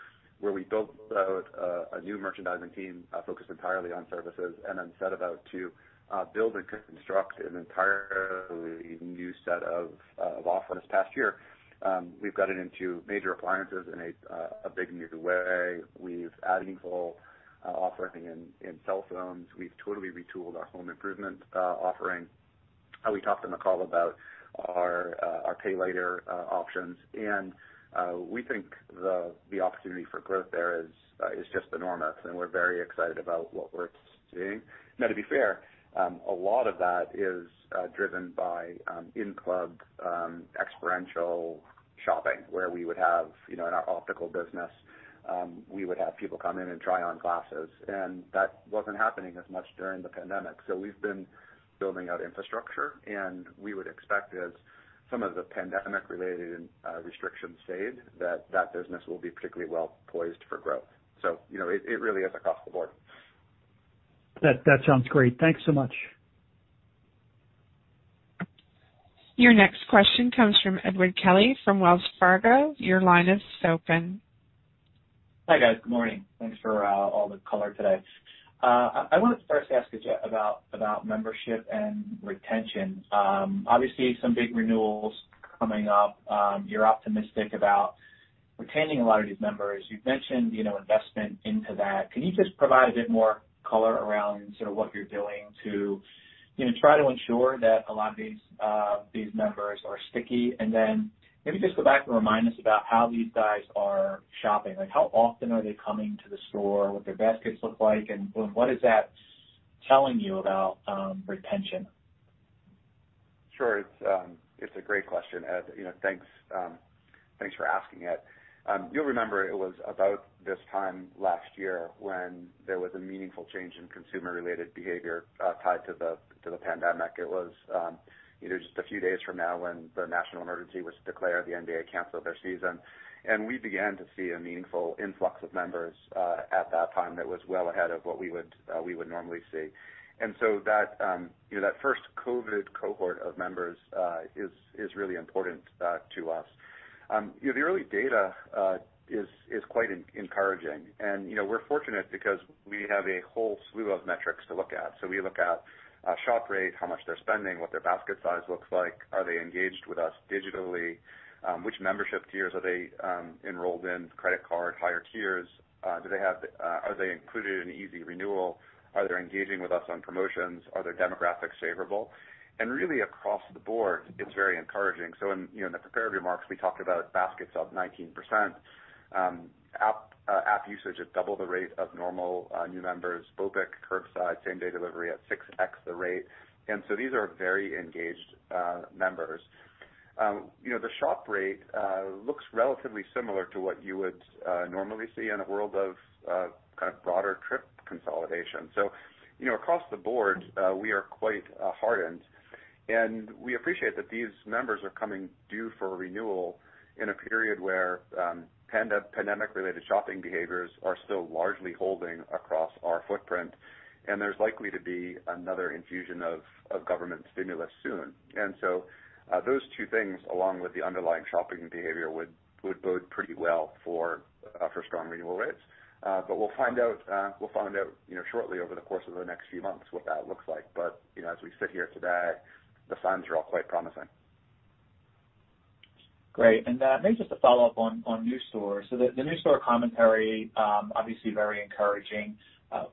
where we built out a new merchandising team focused entirely on services and then set about to build and construct an entirely new set of offers this past year. We've gotten into major appliances in a big new way. We've added full offering in cell phones. We've totally retooled our home improvement offering. We talked on the call about our pay later options, and we think the opportunity for growth there is just enormous, and we're very excited about what we're seeing. Now, to be fair, a lot of that is driven by in-club experiential shopping, where we would have, in our optical business, we would have people come in and try on glasses, and that wasn't happening as much during the pandemic. We've been building out infrastructure, and we would expect as some of the pandemic related restrictions fade, that that business will be particularly well poised for growth. It really is across the board. That sounds great. Thanks so much. Your next question comes from Edward Kelly from Wells Fargo. Your line is open. Hi, guys. Good morning. Thanks for all the color today. I wanted to first ask you about membership and retention. Obviously, some big renewals coming up. You're optimistic about retaining a lot of these members. You've mentioned investment into that. Can you just provide a bit more color around sort of what you're doing to try to ensure that a lot of these members are sticky? Then maybe just go back and remind us about how these guys are shopping, like how often are they coming to the store, what their baskets look like, and what is that telling you about retention? Sure. It's a great question, Ed. Thanks for asking it. You'll remember it was about this time last year when there was a meaningful change in consumer-related behaviour tied to the pandemic. It was just a few days from now when the national emergency was declared, the NBA canceled their season, and we began to see a meaningful influx of members at that time that was well ahead of what we would normally see. That first COVID cohort of members is really important to us. The early data is quite encouraging, and we're fortunate because we have a whole slew of metrics to look at. We look at shop rate, how much they're spending, what their basket size looks like, are they engaged with us digitally, which membership tiers are they enrolled in, credit card, higher tiers, are they included in Easy Renewal? Are they engaging with us on promotions? Are their demographics favorable? Really across the board, it's very encouraging. In the prepared remarks, we talked about baskets up 19% app usage at double the rate of normal new members, BOPIC, curbside, same-day delivery at 6x the rate. These are very engaged members. The shop rate looks relatively similar to what you would normally see in a world of broader trip consolidation. Across the board, we are quite hardened, and we appreciate that these members are coming due for a renewal in a period where pandemic-related shopping behaviors are still largely holding across our footprint, and there's likely to be another infusion of government stimulus soon. Those two things, along with the underlying shopping behavior, would bode pretty well for strong renewal rates. We'll find out shortly over the course of the next few months what that looks like. As we sit here today, the signs are all quite promising. Great. Maybe just a follow-up on new stores. The new store commentary, obviously very encouraging.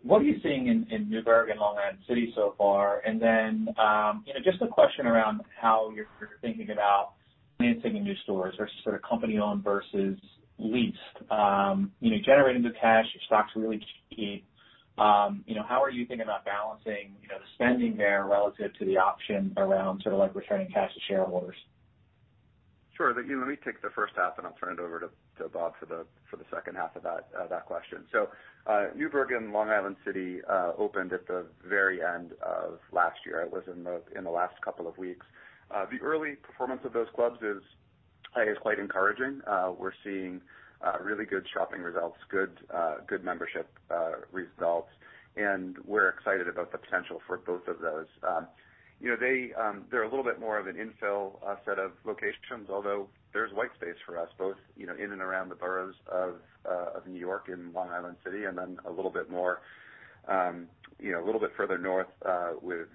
What are you seeing in Newburgh and Long Island City so far? Just a question around how you're thinking about financing new stores or company-owned versus leased. Generating the cash, your stock's really key. How are you thinking about balancing the spending there relative to the option around returning cash to shareholders? Sure. Let me take the first half, and I'll turn it over to Bob for the second half of that question. Newburgh and Long Island City opened at the very end of last year. It was in the last couple of weeks. The early performance of those clubs is quite encouraging. We're seeing really good shopping results, good membership results, and we're excited about the potential for both of those. They're a little bit more of an infill set of locations, although there's white space for us both in and around the boroughs of New York and Long Island City, and then a little bit further north with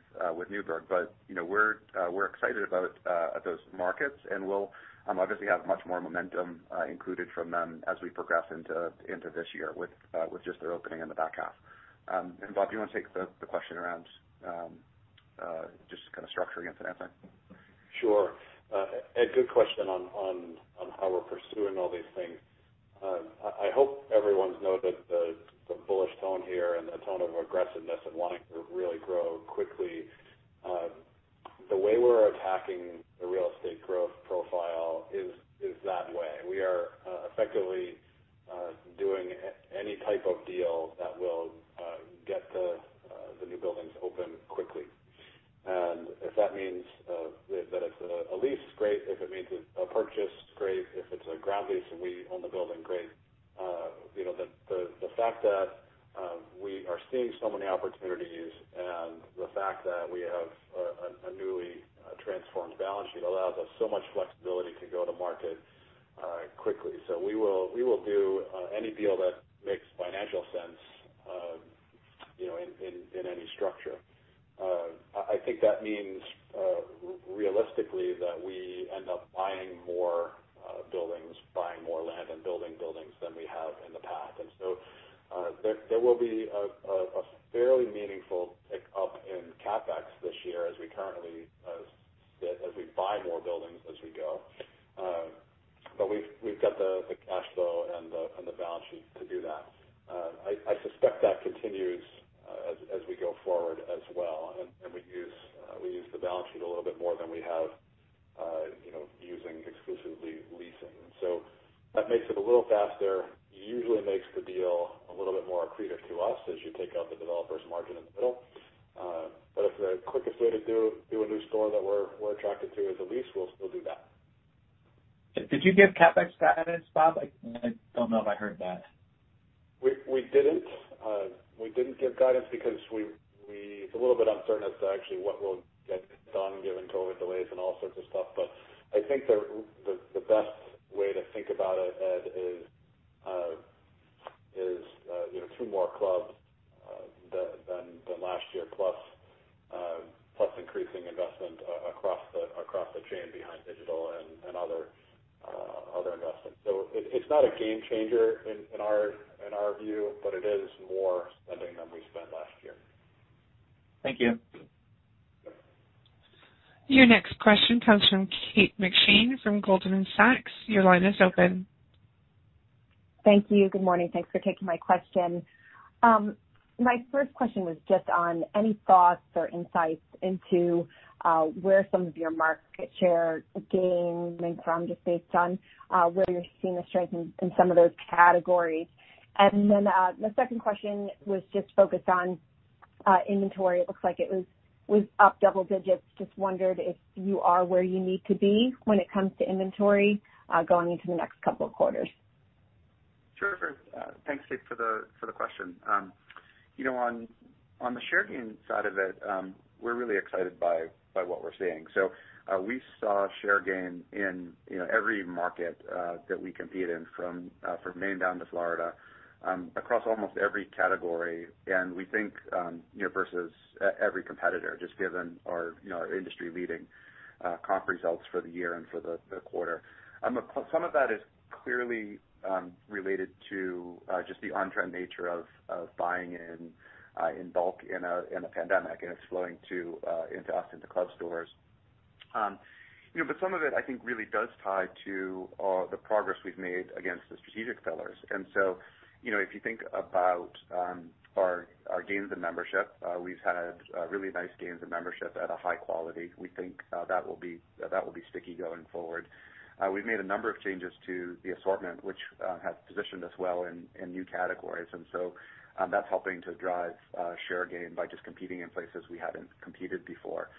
Newburgh. We're excited about those markets, and we'll obviously have much more momentum included from them as we progress into this year with just their opening in the back half. Bob, do you want to take the question around just structuring and financing? Sure. Ed, good question on how we're pursuing all these things. I hope everyone's noted the bullish tone here and the tone of aggressiveness of wanting to really grow quickly. The way we're attacking the real estate growth profile is that way. We are effectively doing any type of deal that will get the new buildings open quickly. If that means that it's a lease, great. If it means it's a purchase, great. If it's a ground lease and we own the building, great. The fact that we are seeing so many opportunities and the fact that we have a newly transformed balance sheet allows us so much flexibility investments. It's not a game changer in our view, it is more spending than we spent last year. Thank you. Your next question comes from Kate McShane from Goldman Sachs. Your line is open. Thank you. Good morning. Thanks for taking my question. My first question was just on any thoughts or insights into where some of your market share gains came from, just based on where you're seeing the strength in some of those categories. The second question was just focused on inventory. It looks like it was up double digits. Just wondered if you are where you need to be when it comes to inventory going into the next couple of quarters. Thanks, Kate, for the question. On the share gain side of it, we're really excited by what we're seeing. We saw share gain in every market that we compete in, from Maine down to Florida, across almost every category. We think versus every competitor, just given our industry-leading comp results for the year and for the quarter. Some of that is clearly related to just the on-trend nature of buying in bulk in a pandemic, and it's flowing into us into club stores. Some of it, I think, really does tie to the progress we've made against the strategic pillars. If you think about our gains in membership, we've had really nice gains in membership at a high quality. We think that will be sticky going forward. We've made a number of changes to the assortment, which has positioned us well in new categories. That's helping to drive share gain by just competing in places we haven't competed before.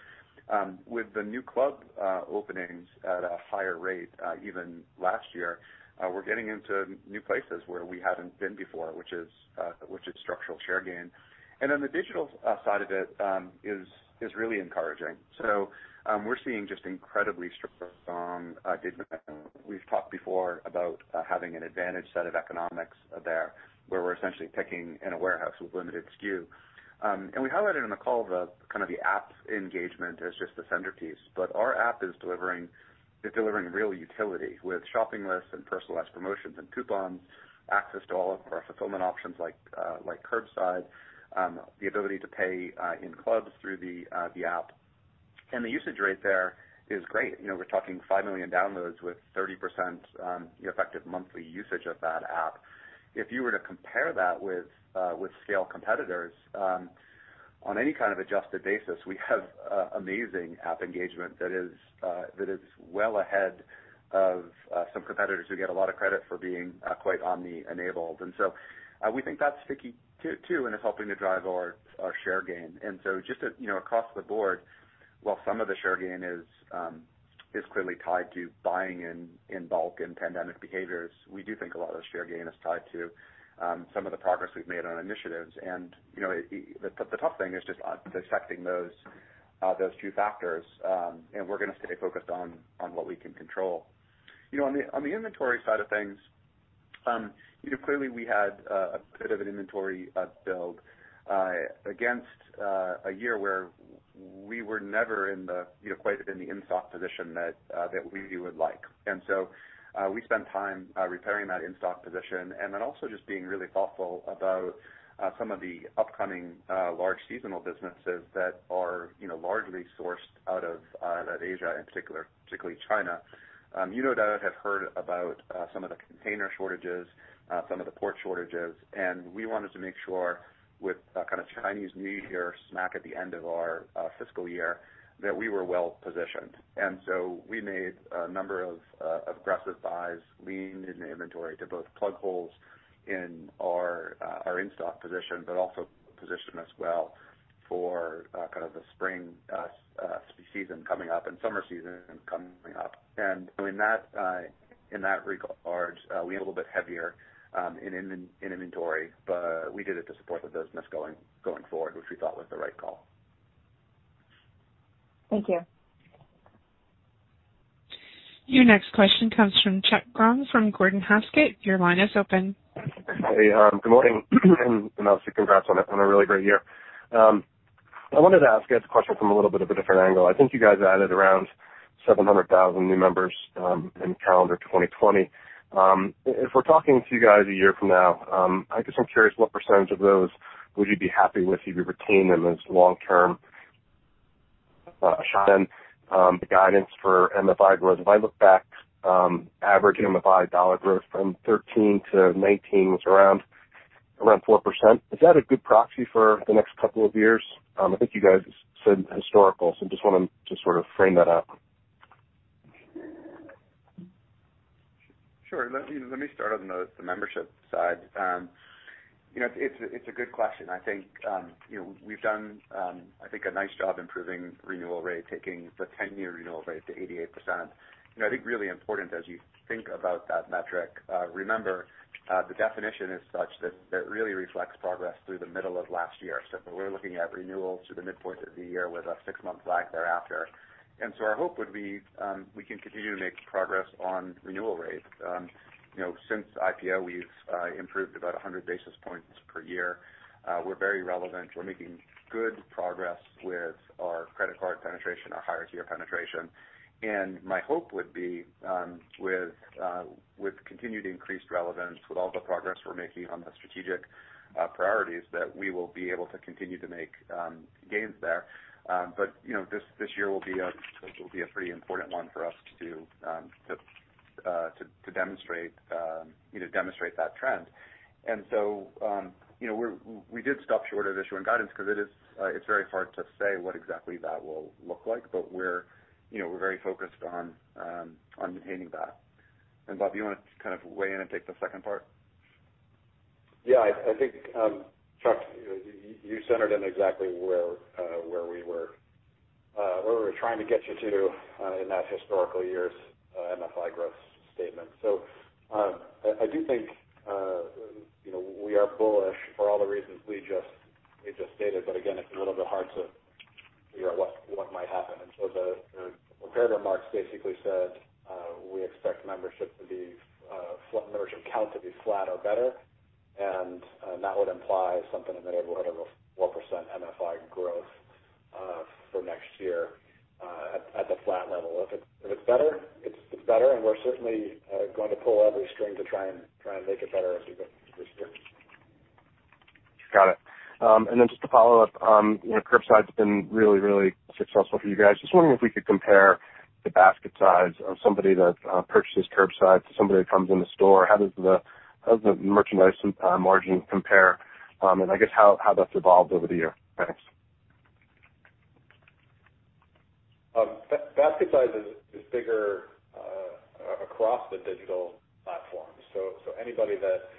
With the new club openings at a higher rate even last year, we're getting into new places where we haven't been before, which is structural share gain. Then the digital side of it is really encouraging. We're seeing just incredibly strong data. We've talked before about having an advantage set of economics there, where we're essentially picking in a warehouse with limited SKU. We highlighted on the call the app engagement as just the centerpiece. Our app is delivering real utility with shopping lists and personalized promotions and coupons, access to all of our fulfillment options like curbside, the ability to pay in clubs through the app. The usage rate there is great. We're talking 5 million downloads with 30% effective monthly usage of that app. If you were to compare that with scale competitors, on any kind of adjusted basis, we have amazing app engagement that is well ahead of some competitors who get a lot of credit for being quite omni-enabled. We think that's sticky, too, and it's helping to drive our share gain. Just across the board, while some of the share gain is clearly tied to buying in bulk and pandemic behaviors, we do think a lot of the share gain is tied to some of the progress we've made on initiatives. The tough thing is just dissecting those two factors, and we're gonna stay focused on what we can control. On the inventory side of things, clearly we had a bit of an inventory build against a year where we were never quite in the in-stock position that we would like. We spent time repairing that in-stock position and then also just being really thoughtful about some of the upcoming large seasonal businesses that are largely sourced out of Asia, and particularly China. You no doubt have heard about some of the container shortages, some of the port shortages, and we wanted to make sure with Chinese New Year smack at the end of our fiscal year, that we were well-positioned. We made a number of aggressive buys leaned in inventory to both plug holes in our in-stock position, but also position us well for the spring season coming up and summer season coming up. In that regard, we have a little bit heavier in inventory, but we did it to support the business going forward, which we thought was the right call. Thank you. Your next question comes from Chuck Grom from Gordon Haskett. Your line is open. Hey, good morning. Obviously congrats on a really great year. I wanted to ask you guys a question from a little bit of a different angle. I think you guys added around 700,000 new members in calendar 2020. We're talking to you guys a year from now, I guess I'm curious what percent of those would you be happy with if you retain them as long term? Sean, the guidance for MFI growth, if I look back, average MFI dollar growth from 2013-2019 was around 4%. That a good proxy for the next couple of years? You guys said historical, just wanted to sort of frame that out. Let me start on the membership side. It's a good question. I think we've done a nice job improving renewal rate, taking the 10-year renewal rate to 88%. I think really important as you think about that metric, remember, the definition is such that it really reflects progress through the middle of last year. We're looking at renewals through the midpoint of the year with a six-month lag thereafter. Our hope would be we can continue to make progress on renewal rates. Since IPO, we've improved about 100 basis points per year. We're very relevant. We're making good progress with our credit card penetration, our higher-tier penetration. My hope would be with continued increased relevance, with all the progress we're making on the strategic priorities, that we will be able to continue to make gains there. This year will be a pretty important one for us to demonstrate that trend. We did stop short of issuing guidance because it's very hard to say what exactly that will look like. We're very focused on maintaining that. Bob, do you want to kind of weigh in and take the second part? Yeah, I think, Chuck, you centered in exactly where we were trying to get you to in that historical years MFI growth statement. I do think we are bullish for all the reasons we just stated, but again, it's a little bit hard to figure out what might happen. The prepared remarks basically said we expect membership count to be flat or better, and that would imply something in the neighborhood of a [1%] MFI growth for next year at the flat level. If it's better, it's better, and we're certainly going to pull every string to try and make it better as we go. Just to follow up, curbside's been really successful for you guys. Just wondering if we could compare the basket size of somebody that purchases curbside to somebody that comes in the store. How does the merchandise margin compare, and I guess how that's evolved over the year? Thanks. Basket size is bigger across the digital platforms. Anybody that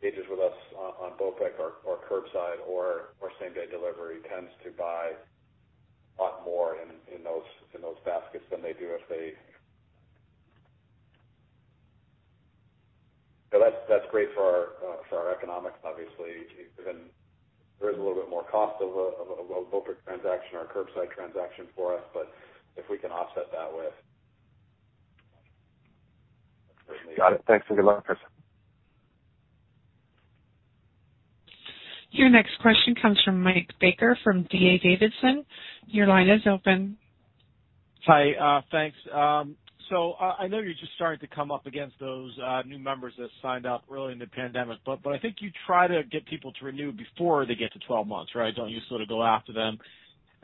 engages with us on BOPIC or curbside or same-day delivery tends to buy a lot more in those baskets than they do if they. That's great for our economic, obviously. There is a little bit more cost of a BOPIC transaction or a curbside transaction for us, but if we can offset that with- Got it. Thanks, and good luck. Your next question comes from Mike Baker from D.A. Davidson. Hi. Thanks. I know you're just starting to come up against those new members that signed up early in the pandemic, but I think you try to get people to renew before they get to 12 months, right? Don't you sort of go after them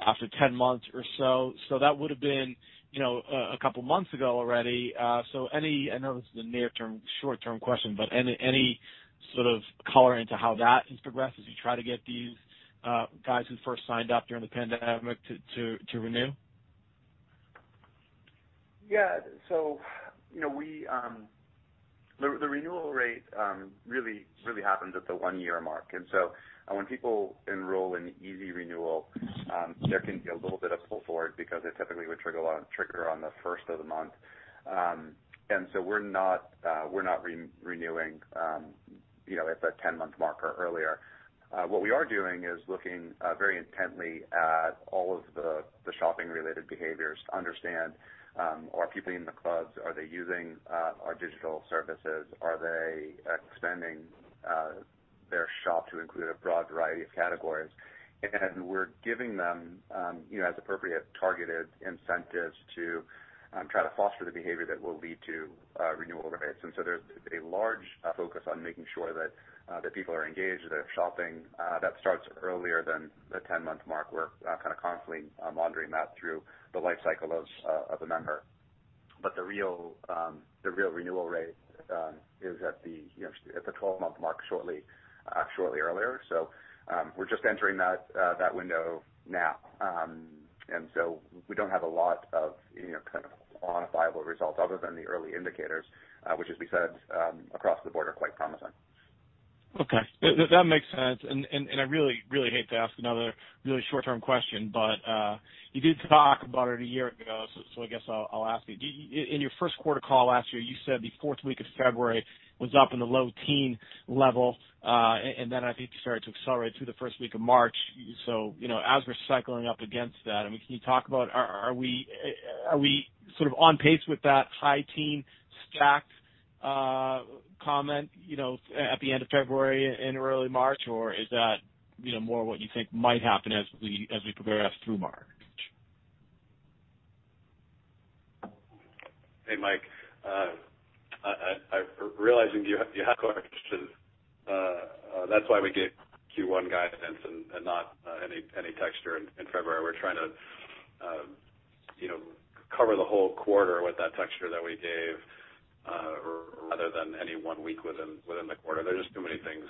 after 10 months or so? That would've been a couple months ago already. I know this is a near-term, short-term question, but any sort of color into how that has progressed as you try to get these guys who first signed up during the pandemic to renew? Yeah. The renewal rate really happens at the one-year mark. When people enroll in BJ's Easy Renewal, there can be a little bit of pull forward because it typically would trigger on the first of the month. We're not renewing at the 10-month mark or earlier. What we are doing is looking very intently at all of the shopping-related behaviors to understand: Are people in the clubs, are they using our digital services, are they expanding their shop to include a broad variety of categories? We're giving them, as appropriate, targeted incentives to try to foster the behavior that will lead to renewal rates. There's a large focus on making sure that people are engaged, they're shopping. That starts earlier than the 10-month mark. We're kind of constantly monitoring that through the life cycle of a member. The real renewal rate is at the 12-month mark shortly earlier. We're just entering that window now. We don't have a lot of kind of quantifiable results other than the early indicators, which, as we said, across the board are quite promising. Okay. That makes sense. I really hate to ask another really short-term question, but you did talk about it a year ago, so I guess I'll ask you. In your first quarter call last year, you said the fourth week of February was up in the low teen level, and then I think you started to accelerate through the first week of March. As we're cycling up against that, can you talk about are we sort of on pace with that high teen stacked comment at the end of February and early March, or is that more what you think might happen as we progress through March? Hey, Mike. I'm realizing you have questions. That's why we gave Q1 guidance and not any texture in February. We're trying to cover the whole quarter with that texture that we gave, rather than any one week within the quarter. There are just too many things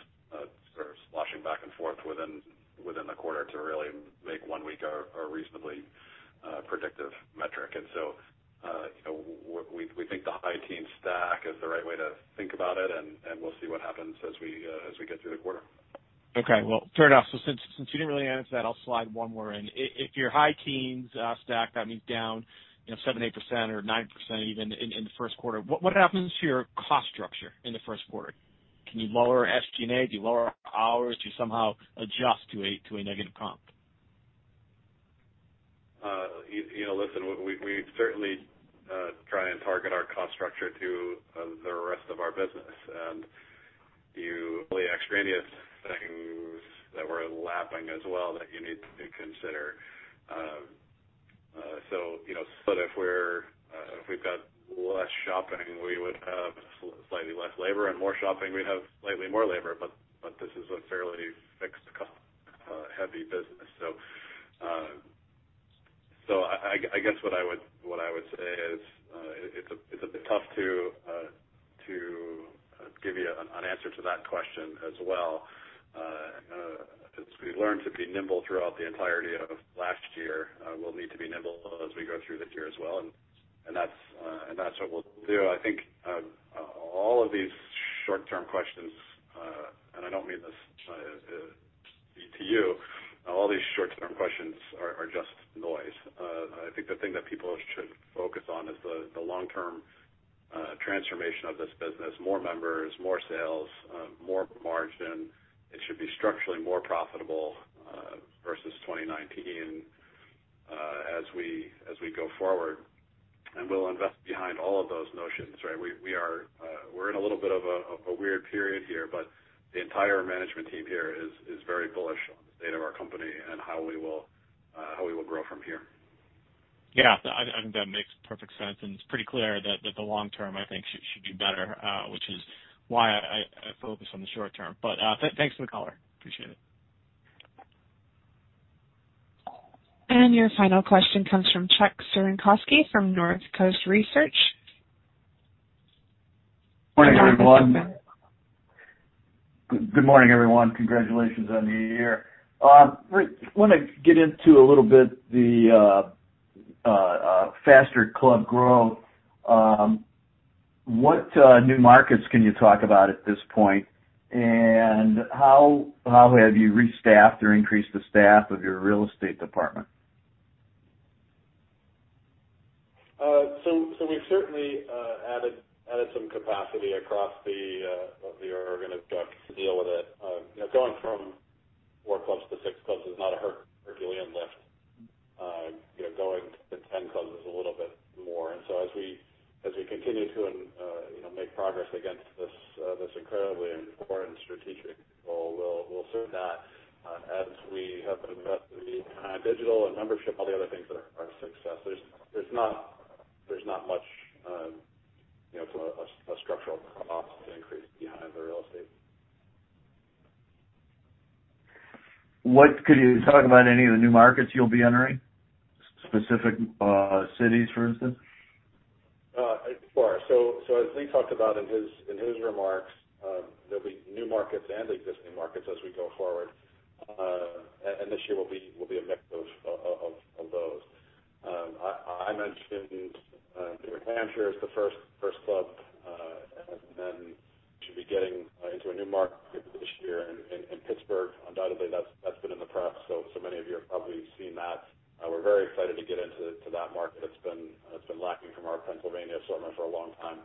sort of sloshing back and forth within the quarter to really make one week a reasonably predictive metric. We think the high teen stack is the right way to think about it, and we'll see what happens as we get through the quarter. Okay. Well, fair enough. Since you didn't really answer that, I'll slide one more in. If you're high teens stack, that means down 7%, 8%, or 9% even in the first quarter. What happens to your cost structure in the first quarter? Can you lower SG&A? Do you lower hours? Do you somehow adjust to a negative comp? We certainly try and target our cost structure to the rest of our business, you believe extraneous things that we're lapping as well that you need to consider. If we've got less shopping, we would have slightly less labor, more shopping, we'd have slightly more labor, this is a fairly fixed cost, heavy business. I guess what I would say is, it's a bit tough to give you an answer to that question as well. As we learned to be nimble throughout the entirety of last year, we'll need to be nimble as we go through the year as well, that's what we'll do. I think all of these short-term questions, I don't mean this to you, all these short-term questions are just noise. I think the thing that people should focus on is the long-term transformation of this business. More members, more sales, more margin. It should be structurally more profitable versus 2019 as we go forward. We'll invest behind all of those notions, right? We're in a little bit of a weird period here, but the entire management team here is very bullish on the state of our company and how we will grow from here. Yeah, I think that makes perfect sense, and it's pretty clear that the long term, I think, should be better, which is why I focus on the short term. Thanks for the call, appreciate it. Your final question comes from Chuck Cerankosky from Northcoast Research. Good morning, everyone. Congratulations on the new year. I want to get into a little bit the faster club growth. What new markets can you talk about at this point, and how have you restaffed or increased the staff of your real estate department? We've certainly added some capacity across the organic growth to deal with it. Going from four clubs to six clubs is not a Herculean lift. Going to 10 clubs is a little bit more. As we continue to make progress against this incredibly important strategic goal, we'll serve that as we have been investing behind digital and membership, all the other things that are success. There's not much of a structural cost increase behind the real estate. Could you talk about any of the new markets you'll be entering, specific cities, for instance? Sure. As Lee talked about in his remarks, there'll be new markets and existing markets as we go forward. This year will be a mix of those. I mentioned New Hampshire as the first club, and then we should be getting into a new market this year in Pittsburgh. Undoubtedly, that's been in the press, so many of you have probably seen that. We're very excited to get into that market. It's been lacking from our Pennsylvania assortment for a long time.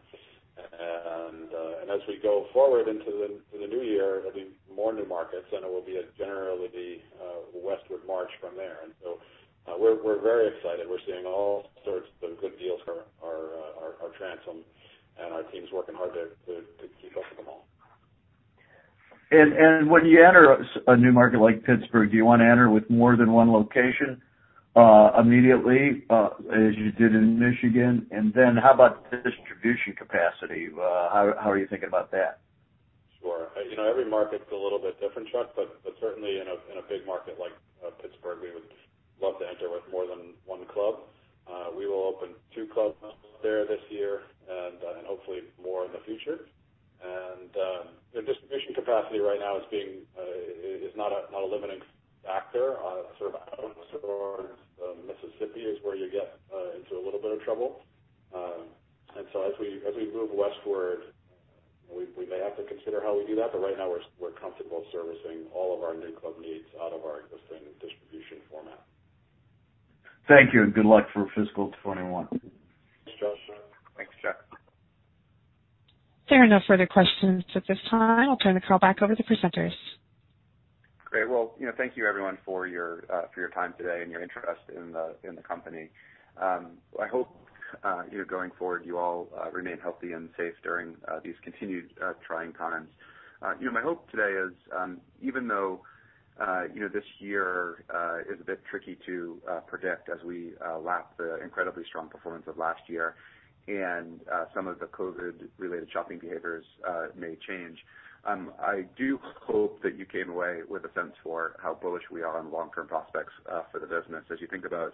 As we go forward into the new year, there'll be more new markets, and it will be generally the westward march from there. We're very excited. We're seeing all sorts of good deals come our transom, and our team's working hard to keep up with them all. When you enter a new market like Pittsburgh, do you want to enter with more than one location immediately as you did in Michigan? How about distribution capacity? How are you thinking about that? Sure. Every market's a little bit different, Chuck, certainly in a big market like Pittsburgh, we would love to enter with more than one club. We will open two clubs there this year and hopefully more in the future. The distribution capacity right now is not a limiting factor. Sort of out towards Mississippi is where you get into a little bit of trouble. As we move westward, we may have to consider how we do that. Right now, we're comfortable servicing all of our new club needs out of our existing distribution format. Thank you, and good luck for fiscal 2021. Thanks. (inaudible) Thanks Chuck. There are no further questions at this time. I'll turn the call back over to presenters. Great. Well, thank you everyone for your time today and your interest in the company. I hope going forward you all remain healthy and safe during these continued trying times. My hope today is, even though this year is a bit tricky to predict as we lap the incredibly strong performance of last year and some of the COVID-related shopping behaviors may change, I do hope that you came away with a sense for how bullish we are on long-term prospects for the business. As you think about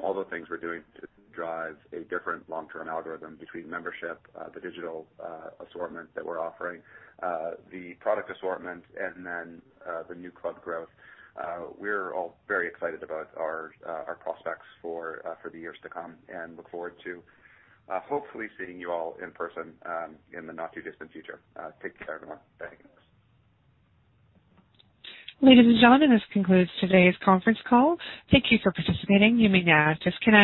all the things we're doing to drive a different long-term algorithm between membership, the digital assortment that we're offering, the product assortment, and then the new club growth, we're all very excited about our prospects for the years to come and look forward to hopefully seeing you all in person in the not-too-distant future. Take care, everyone. Thanks. Ladies and gentlemen, this concludes today's conference call. Thank you for participating. You may now disconnect.